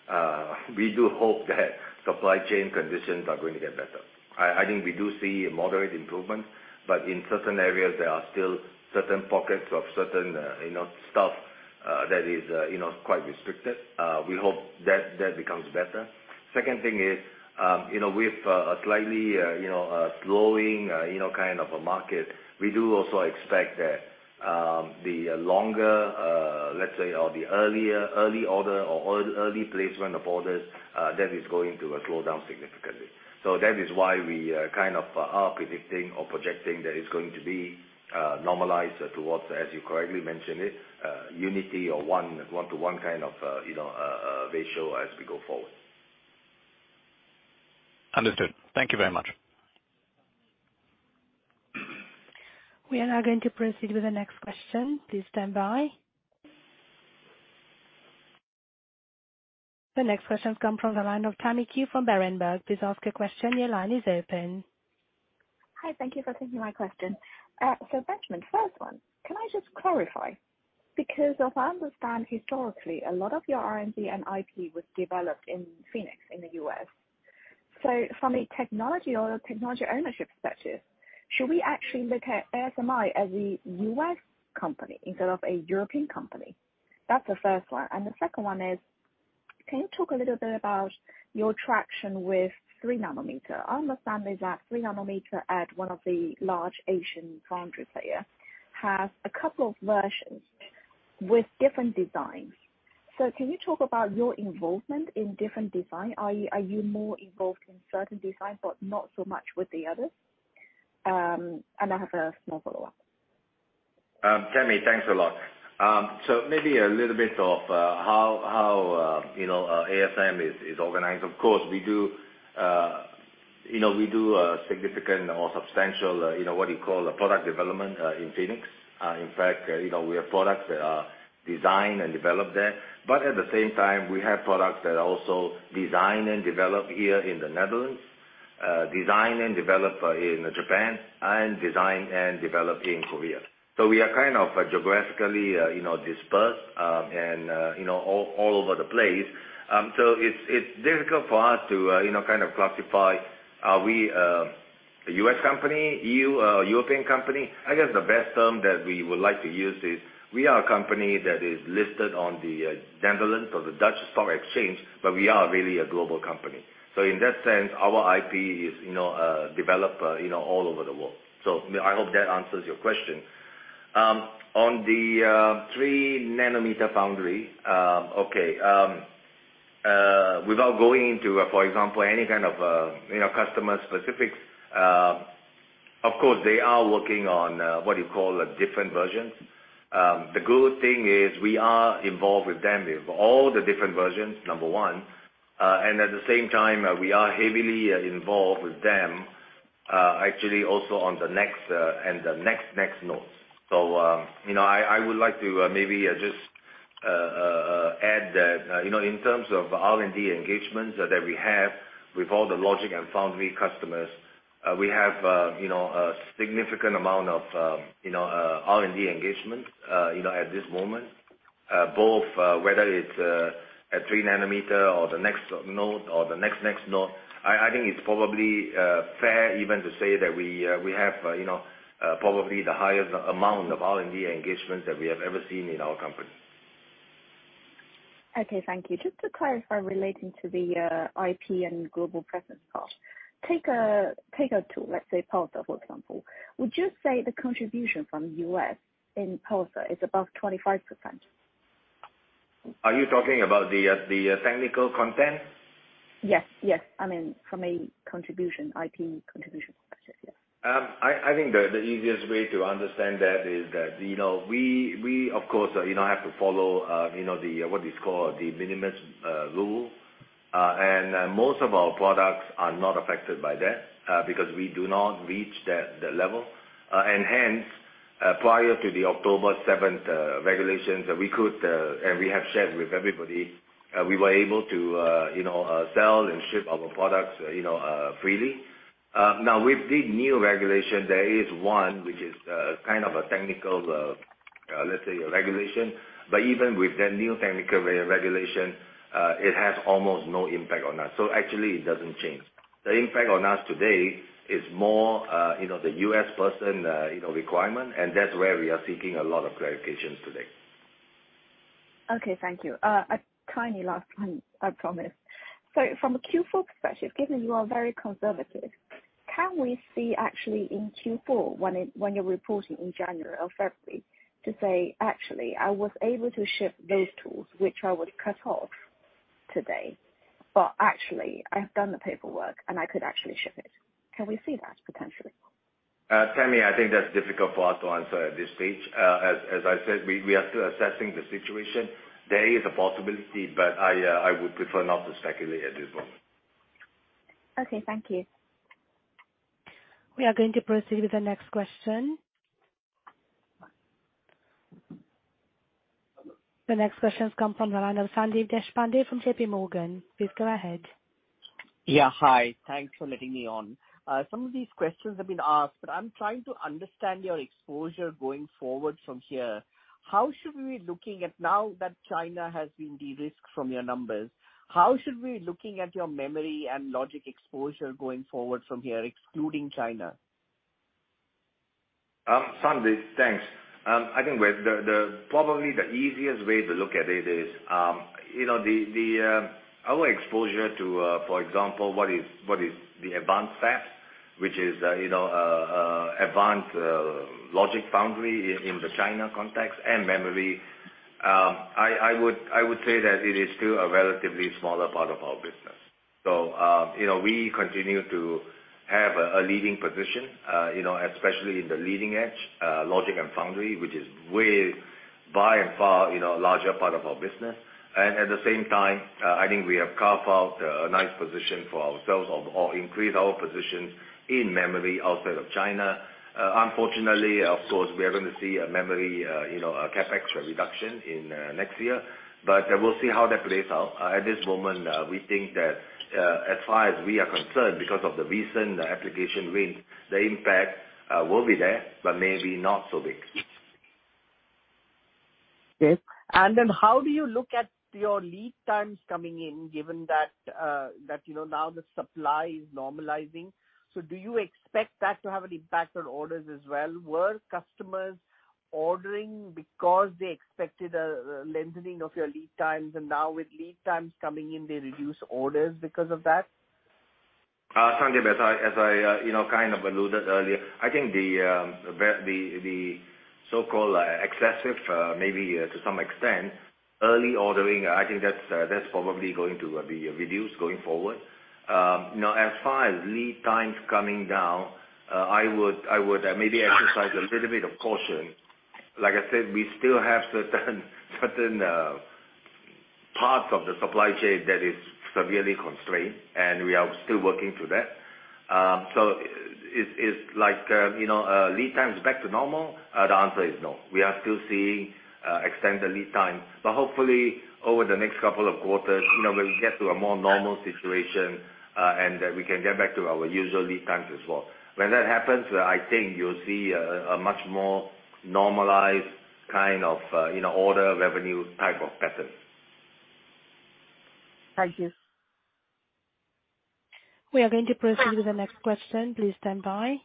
that supply chain conditions are going to get better. I think we do see a moderate improvement, but in certain areas there are still certain pockets of certain you know, stuff that is you know, quite restricted. We hope that that becomes better. Second thing is, you know, with a slightly, you know, slowing, you know, kind of a market, we do also expect that the longer, let's say, or the early order or early placement of orders that is going to slow down significantly. So that is why we kind of are predicting or projecting that it's going to be normalized towards, as you correctly mentioned it, unity or one-to-one kind of, you know, ratio as we go forward. Understood. Thank you very much. We are now going to proceed with the next question. Please stand by. The next question come from the line of Tammy Qiu from Berenberg. Please ask your question. Your line is open. Hi. Thank you for taking my question. Benjamin, first one, can I just clarify, because as I understand historically, a lot of your R&D and IP was developed in Phoenix in the U.S. From a technology or technology ownership perspective, should we actually look at ASMI as a U.S. company instead of a European company? That's the first one. The second one is, can you talk a little bit about your traction with 3 nanometer? I understand is that 3 nanometer at one of the large Asian foundry player has a couple of versions with different designs. Can you talk about your involvement in different design? Are you more involved in certain designs, but not so much with the others? I have a small follow-up. Tammy, thanks a lot. Maybe a little bit of how you know ASM is organized. Of course, we do a significant or substantial, you know, what you call product development in Phoenix. In fact, you know, we have products that are designed and developed there, but at the same time, we have products that are also designed and developed here in the Netherlands, designed and developed in Japan and designed and developed in Korea. We are kind of geographically you know dispersed and you know all over the place. It's difficult for us to you know kind of classify, are we a U.S. company, EU European company? I guess the best term that we would like to use is we are a company that is listed on Euronext Amsterdam, but we are really a global company. In that sense, our IP is, you know, developed, you know, all over the world. I hope that answers your question. On the three nanometer foundry, okay. Without going into, for example, any kind of, you know, customer specifics, of course they are working on what you call a different version. The good thing is we are involved with them with all the different versions, number one. At the same time, we are heavily involved with them, actually also on the next, and the next nodes. I would like to maybe just add that, you know, in terms of R&D engagements that we have with all the logic and foundry customers, we have, you know, a significant amount of, you know, R&D engagement, you know, at this moment. Both, whether it's a 3 nanometer or the next node or the next node, I think it's probably fair even to say that we have, you know, probably the highest amount of R&D engagement that we have ever seen in our company. Okay, thank you. Just to clarify relating to the IP and global presence cost. Take a tool, let's say Pulsar, for example. Would you say the contribution from U.S. in Pulsar is above 25%? Are you talking about the technical content? Yes. I mean, from a contribution, IP contribution perspective, yeah. I think the easiest way to understand that is that, you know, we of course, you know, have to follow, you know, what is called the de minimis rule. Most of our products are not affected by that, because we do not reach that level. Hence, prior to the October seventh regulations that we could, and we have shared with everybody, we were able to, you know, sell and ship our products, you know, freely. Now with the new regulation, there is one which is kind of a technical, let's say regulation. But even with the new technical regulation, it has almost no impact on us. Actually it doesn't change. The impact on us today is more, you know, the U.S. person requirement, and that's where we are seeking a lot of clarifications today. Okay, thank you. A tiny last one, I promise. From a Q4 perspective, given you are very conservative, can we see actually in Q4 when you're reporting in January or February to say, "Actually, I was able to ship those tools which I would cut off today, but actually I have done the paperwork and I could actually ship it." Can we see that potentially? Tammy, I think that's difficult for us to answer at this stage. As I said, we are still assessing the situation. There is a possibility, but I would prefer not to speculate at this moment. Okay, thank you. We are going to proceed with the next question. The next question comes from the line of Sandip Deshpande from J.P. Morgan. Please go ahead. Yeah, hi. Thanks for letting me on. Some of these questions have been asked, but I'm trying to understand your exposure going forward from here. Now that China has been de-risked from your numbers, how should we be looking at your memory and logic exposure going forward from here, excluding China? Sandip, thanks. I think probably the easiest way to look at it is, you know, our exposure to, for example, what is the advanced fab, which is advanced logic foundry in the China context and memory. I would say that it is still a relatively smaller part of our business. You know, we continue to have a leading position, you know, especially in the leading edge logic and foundry, which is by far a larger part of our business. At the same time, I think we have carved out a nice position for ourselves or increased our position in memory outside of China. Unfortunately, of course, we are gonna see a memory, you know, a CapEx reduction in next year, but we'll see how that plays out. At this moment, we think that, as far as we are concerned, because of the recent application wins, the impact will be there but maybe not so big. Okay. How do you look at your lead times coming in, given that that you know, now the supply is normalizing? Do you expect that to have an impact on orders as well? Were customers ordering because they expected a lengthening of your lead times and now with lead times coming in, they reduce orders because of that? Sandip, as I you know, kind of alluded earlier, I think the so-called excessive maybe to some extent early ordering, I think that's probably going to be reduced going forward. Now as far as lead times coming down, I would maybe exercise a little bit of caution. Like I said, we still have certain parts of the supply chain that is severely constrained, and we are still working through that. Like, you know, is lead time back to normal? The answer is no. We are still seeing extended lead time. Hopefully over the next couple of quarters, you know, we'll get to a more normal situation, and we can get back to our usual lead times as well. When that happens, I think you'll see a much more normalized kind of, you know, order revenue type of pattern. Thank you. We are going to proceed with the next question. Please stand by.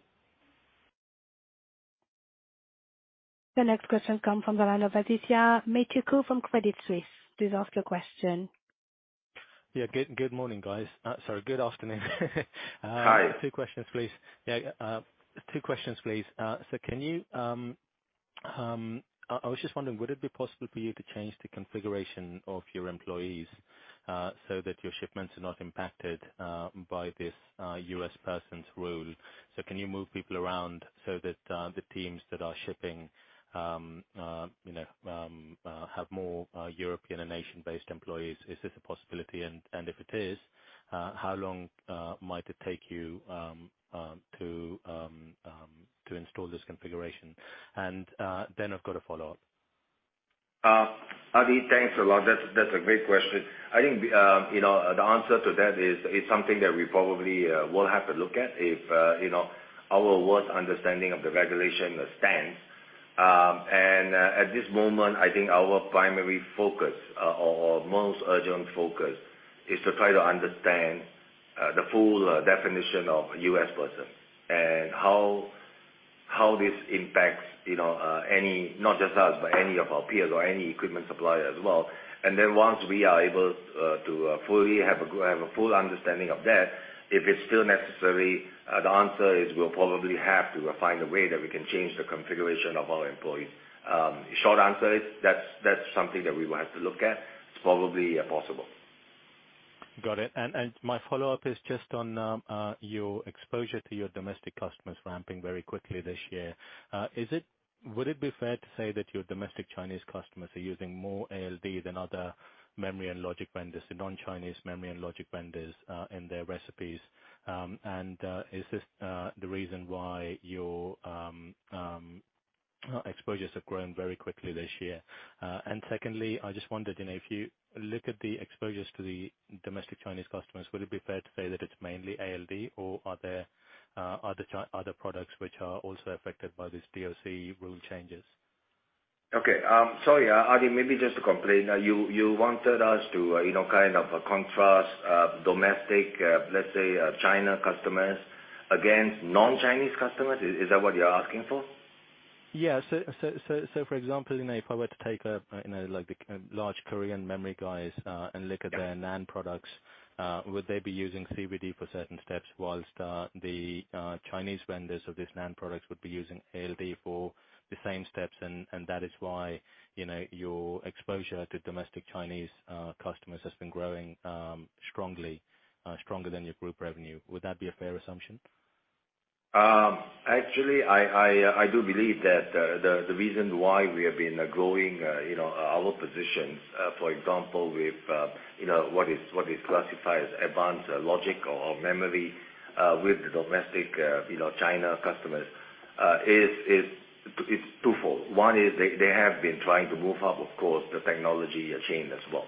The next question comes from the line of Adithya Metuku from Credit Suisse. Please ask your question. Yeah. Good morning, guys. Sorry, good afternoon. Hi. Two questions, please. Two questions, please. I was just wondering, would it be possible for you to change the configuration of your employees so that your shipments are not impacted by this U.S. persons rule? Can you move people around so that the teams that are shipping, you know, have more European and Asian-based employees? Is this a possibility? If it is, how long might it take you to install this configuration? I've got a follow-up. Adithya, thanks a lot. That's a great question. I think, you know, the answer to that is something that we probably will have to look at if, you know, our worst understanding of the regulation stands. At this moment, I think our primary focus, or most urgent focus is to try to understand the full definition of U.S. person and how this impacts, you know, any, not just us, but any of our peers or any equipment supplier as well. Then once we are able to fully have a full understanding of that, if it's still necessary, the answer is we'll probably have to find a way that we can change the configuration of our employees. Short answer is that's something that we will have to look at. It's probably possible. Got it. My follow-up is just on your exposure to your domestic customers ramping very quickly this year. Would it be fair to say that your domestic Chinese customers are using more ALD than other memory and logic vendors, the non-Chinese memory and logic vendors, in their recipes? Is this the reason why your exposures have grown very quickly this year? Secondly, I just wondered, you know, if you look at the exposures to the domestic Chinese customers, would it be fair to say that it's mainly ALD or are there other products which are also affected by this BIS rule changes? Okay. Sorry, Adi, maybe just to confirm. You wanted us to, you know, kind of contrast domestic, let's say, China customers against non-Chinese customers. Is that what you're asking for? Yeah. For example, you know, if I were to take a, you know, like the large Korean memory guys, and look at their NAND products, would they be using CVD for certain steps while the Chinese vendors of these NAND products would be using ALD for the same steps, and that is why, you know, your exposure to domestic Chinese customers has been growing strongly, stronger than your group revenue? Would that be a fair assumption? Actually, I do believe that the reason why we have been growing, you know, our positions, for example, with, you know, what is classified as advanced logic or memory, with the domestic, you know, China customers, is it's twofold. One is they have been trying to move up, of course, the technology chain as well.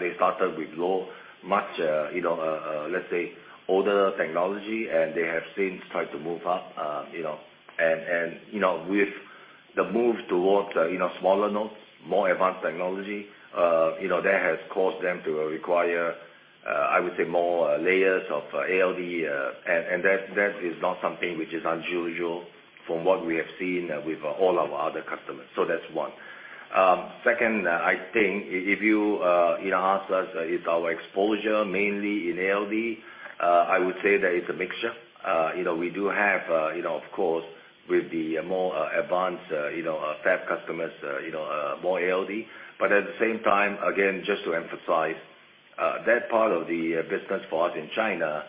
They started with low-end, you know, let's say older technology, and they have since tried to move up. You know, with the move towards smaller nodes, more advanced technology, you know, that has caused them to require, I would say more layers of ALD, and that is not something which is unusual from what we have seen with all our other customers. So that's one. Second, I think if you ask us is our exposure mainly in ALD, I would say that it's a mixture. You know, we do have, you know, of course, with the more advanced fab customers, you know, more ALD. But at the same time, again, just to emphasize, that part of the business for us in China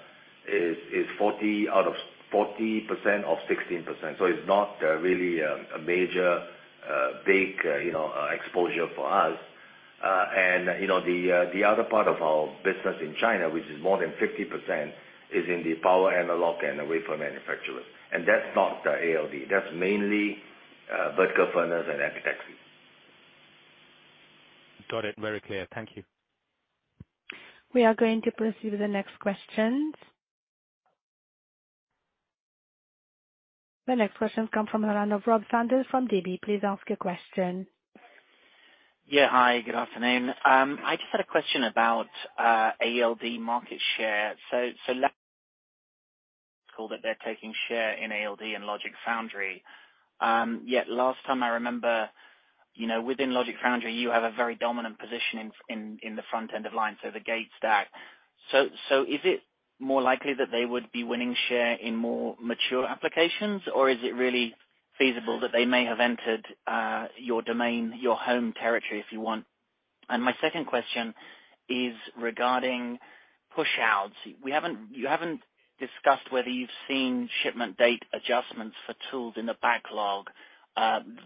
is 40% of 16%. It's not really a major big you know exposure for us. You know, the other part of our business in China, which is more than 50%, is in the power analog and wafer manufacturer. That's not the ALD. That's mainly vertical furnace and epitaxy. Got it. Very clear. Thank you. We are going to proceed with the next question. The next question come from the line of Rob Sanders from DB. Please ask your question. Yeah. Hi, good afternoon. I just had a question about ALD market share. Cool. That they're taking share in ALD and logic foundry. Yet last time I remember, you know, within logic foundry, you have a very dominant position in the front end of line, so the gate stack. Is it more likely that they would be winning share in more mature applications, or is it really feasible that they may have entered your domain, your home territory, if you want? And my second question is regarding push-outs. You haven't discussed whether you've seen shipment date adjustments for tools in the backlog,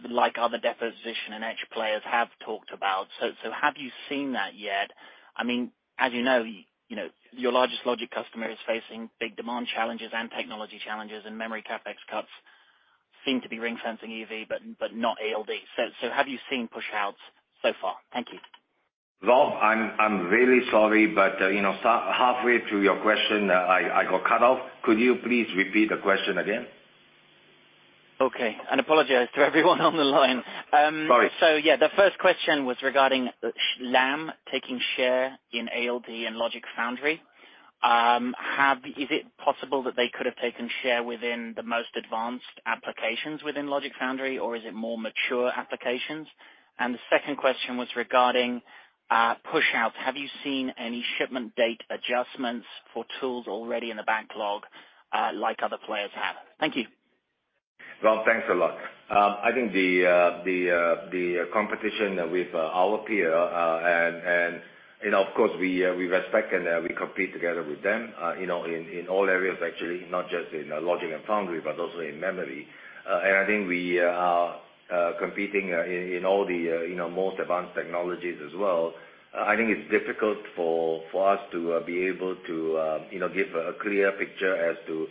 like other deposition and etch players have talked about. Have you seen that yet? I mean, as you know, you know, your largest logic customer is facing big demand challenges and technology challenges, and memory CapEx cuts seem to be ring-fencing EUV, but not ALD. Have you seen push-outs so far? Thank you. Rob, I'm really sorry, but, you know, so halfway through your question, I got cut off. Could you please repeat the question again? Okay. Apologize to everyone on the line. Sorry. Yeah, the first question was regarding Lam taking share in ALD and Logic Foundry. Is it possible that they could have taken share within the most advanced applications within Logic Foundry, or is it more mature applications? The second question was regarding pushouts. Have you seen any shipment date adjustments for tools already in the backlog, like other players have? Thank you. Rob, thanks a lot. I think the competition with our peer, and you know, of course we respect and we compete together with them, you know, in all areas actually, not just in logic and foundry, but also in memory. I think we are competing in all the you know most advanced technologies as well. I think it's difficult for us to be able to you know give a clear picture as to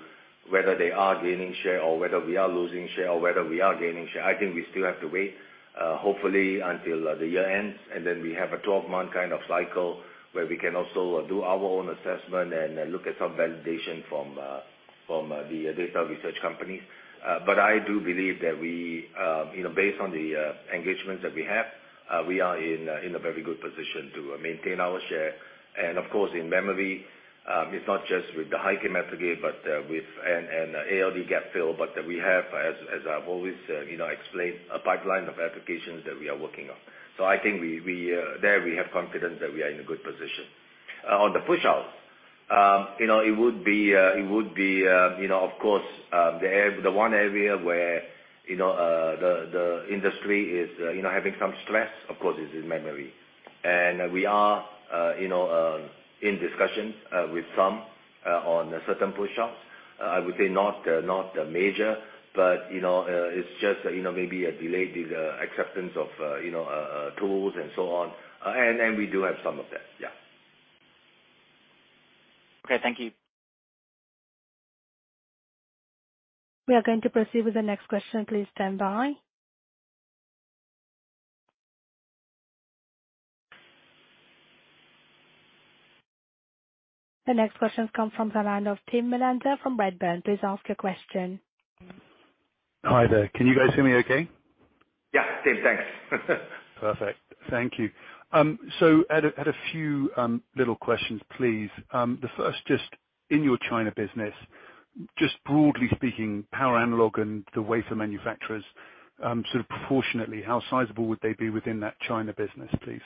whether they are gaining share or whether we are losing share or whether we are gaining share. I think we still have to wait, hopefully until the year ends, and then we have a 12-month kind of cycle where we can also do our own assessment and look at some validation from the data research companies. I do believe that we, you know, based on the engagements that we have, we are in a very good position to maintain our share. Of course, in memory, it's not just with the High-K Metal Gate and ALD gap-fill, but we have, as I've always, you know, explained, a pipeline of applications that we are working on. I think we have confidence that we are in a good position. On the pushouts, you know, it would be, you know, of course, the one area where, you know, the industry is, you know, having some stress, of course, is in memory. We are, you know, in discussions with some on certain pushouts. I would say not major, but, you know, it's just, you know, maybe a delayed acceptance of, you know, tools and so on. We do have some of that. Yeah. Okay, thank you. We are going to proceed with the next question. Please stand by. The next question comes from the line of Timm Schulze-Melander from Redburn. Please ask your question. Hi there. Can you guys hear me okay? Yeah. Timm, thanks. Perfect. Thank you. I had a few little questions, please. The first just in your China business, just broadly speaking, power analog and the wafer manufacturers, sort of proportionately, how sizable would they be within that China business, please?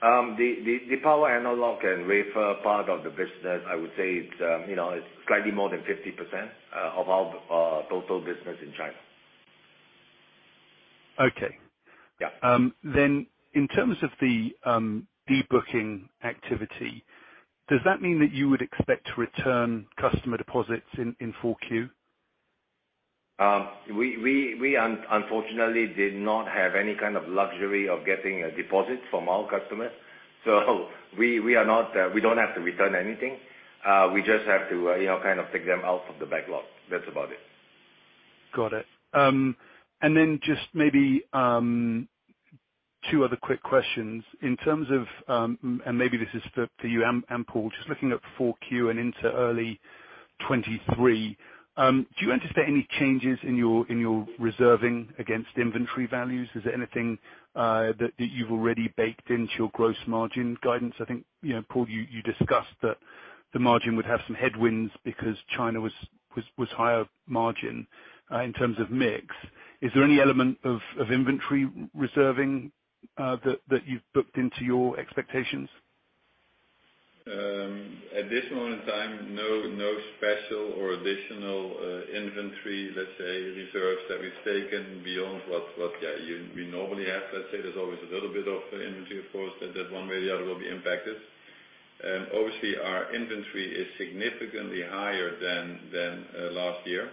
The power analog and wafer part of the business, I would say it's, you know, it's slightly more than 50% of our total business in China. Okay. Yeah. In terms of the de-booking activity, does that mean that you would expect to return customer deposits in 4Q? We unfortunately did not have any kind of luxury of getting a deposit from our customers. We don't have to return anything. We just have to, you know, kind of take them out of the backlog. That's about it. Got it. Just maybe two other quick questions. In terms of and maybe this is for you and Paul, just looking at Q4 and into early 2023, do you anticipate any changes in your reserving against inventory values? Is there anything that you've already baked into your gross margin guidance? I think, you know, Paul, you discussed that the margin would have some headwinds because China was higher margin in terms of mix. Is there any element of inventory reserving that you've booked into your expectations? At this moment in time, no special or additional inventory, let's say, reserves that we've taken beyond what we normally have. Let's say there's always a little bit of inventory, of course, that one way or the other will be impacted. Obviously, our inventory is significantly higher than last year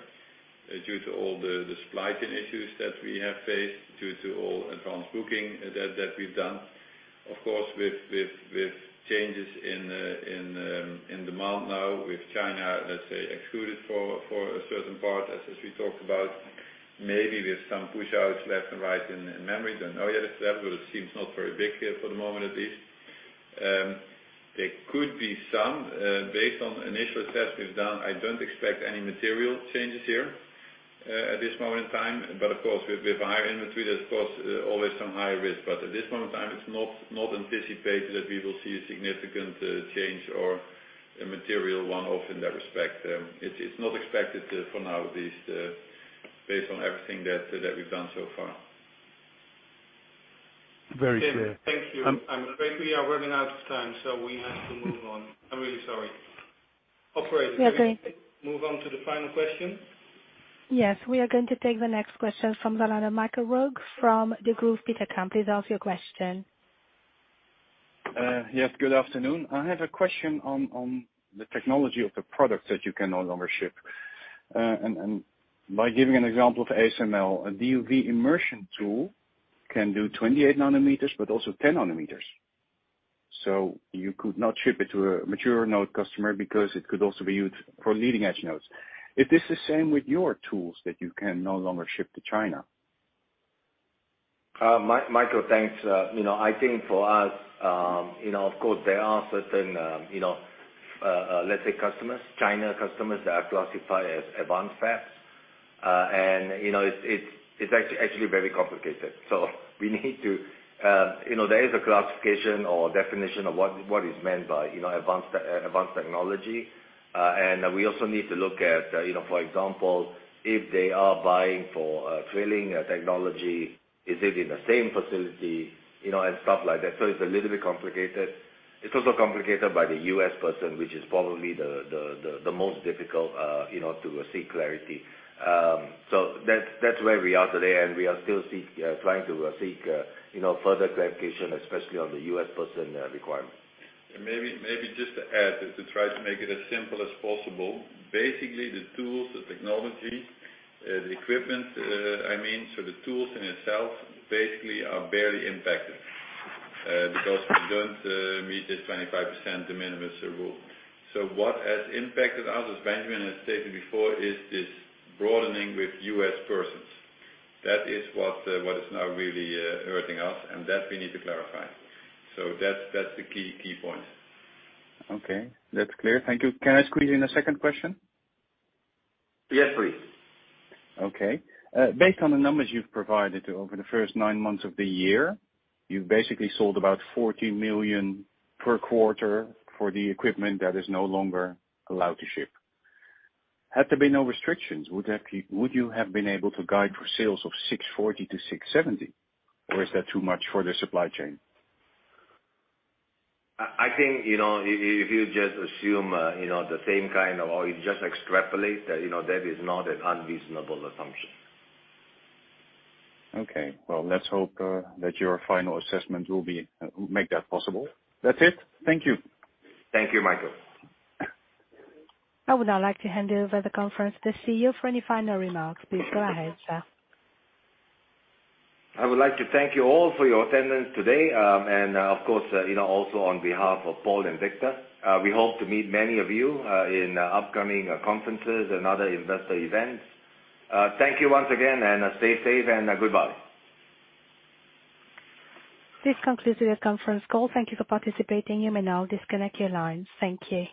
due to all the supply chain issues that we have faced, due to all advanced booking that we've done. Of course, with changes in demand now with China, let's say, excluded for a certain part, as we talked about, maybe with some pushouts left and right in memory. Don't know yet if that but it seems not very big for the moment at least. There could be some based on initial assessments done. I don't expect any material changes here at this moment in time. Of course, with higher inventory, there's of course always some higher risk. At this moment in time, it's not anticipated that we will see a significant change or a material one-off in that respect. It's not expected for now at least based on everything that we've done so far. Very clear. Tim, thank you. I'm afraid we are running out of time, so we have to move on. I'm really sorry. Operator. Okay. Move on to the final question. Yes. We are going to take the next question from the line of Michael Roeg from Degroof Petercam. Please ask your question. Yes, good afternoon. I have a question on the technology of the products that you can no longer ship. By giving an example of ASML, a DUV immersion tool can do 28 nanometers, but also 10 nanometers. You could not ship it to a mature node customer because it could also be used for leading edge nodes. Is this the same with your tools that you can no longer ship to China? Michael, thanks. You know, I think for us, you know, of course, there are certain, you know, let's say customers, China customers that are classified as advanced fabs. You know, it's actually very complicated. We need to, you know, there is a classification or definition of what is meant by, you know, advanced technology. You know, we also need to look at, you know, for example, if they are buying for a trailing technology, is it in the same facility, you know, and stuff like that. It's a little bit complicated. It's also complicated by the U.S. person, which is probably the most difficult, you know, to seek clarity. That's where we are today, and we are still trying to seek, you know, further clarification, especially on the U.S. person requirement. Maybe just to add, to try to make it as simple as possible. Basically, the tools, the technology, the equipment, I mean, the tools in itself basically are barely impacted, because we don't meet this 25% de minimis rule. What has impacted us, as Benjamin has stated before, is this broadening with U.S. persons. That is what is now really hurting us, and that we need to clarify. That's the key point. Okay. That's clear. Thank you. Can I squeeze in a second question? Yes, please. Okay. Based on the numbers you've provided over the first 9 months of the year, you've basically sold about 40 million per quarter for the equipment that is no longer allowed to ship. Had there been no restrictions, would you have been able to guide for sales of 640 million-670 million, or is that too much for the supply chain? I think, you know, if you just assume, you know, the same kind of, or you just extrapolate that, you know, that is not an unreasonable assumption. Okay. Well, let's hope that your final assessment will be make that possible. That's it. Thank you. Thank you, Michael. I would now like to hand over the conference to the CEO for any final remarks. Please go ahead, sir. I would like to thank you all for your attendance today, and, of course, you know, also on behalf of Paul and Victor. We hope to meet many of you in upcoming conferences and other investor events. Thank you once again, and stay safe and goodbye. This concludes your conference call. Thank you for participating. You may now disconnect your lines. Thank you.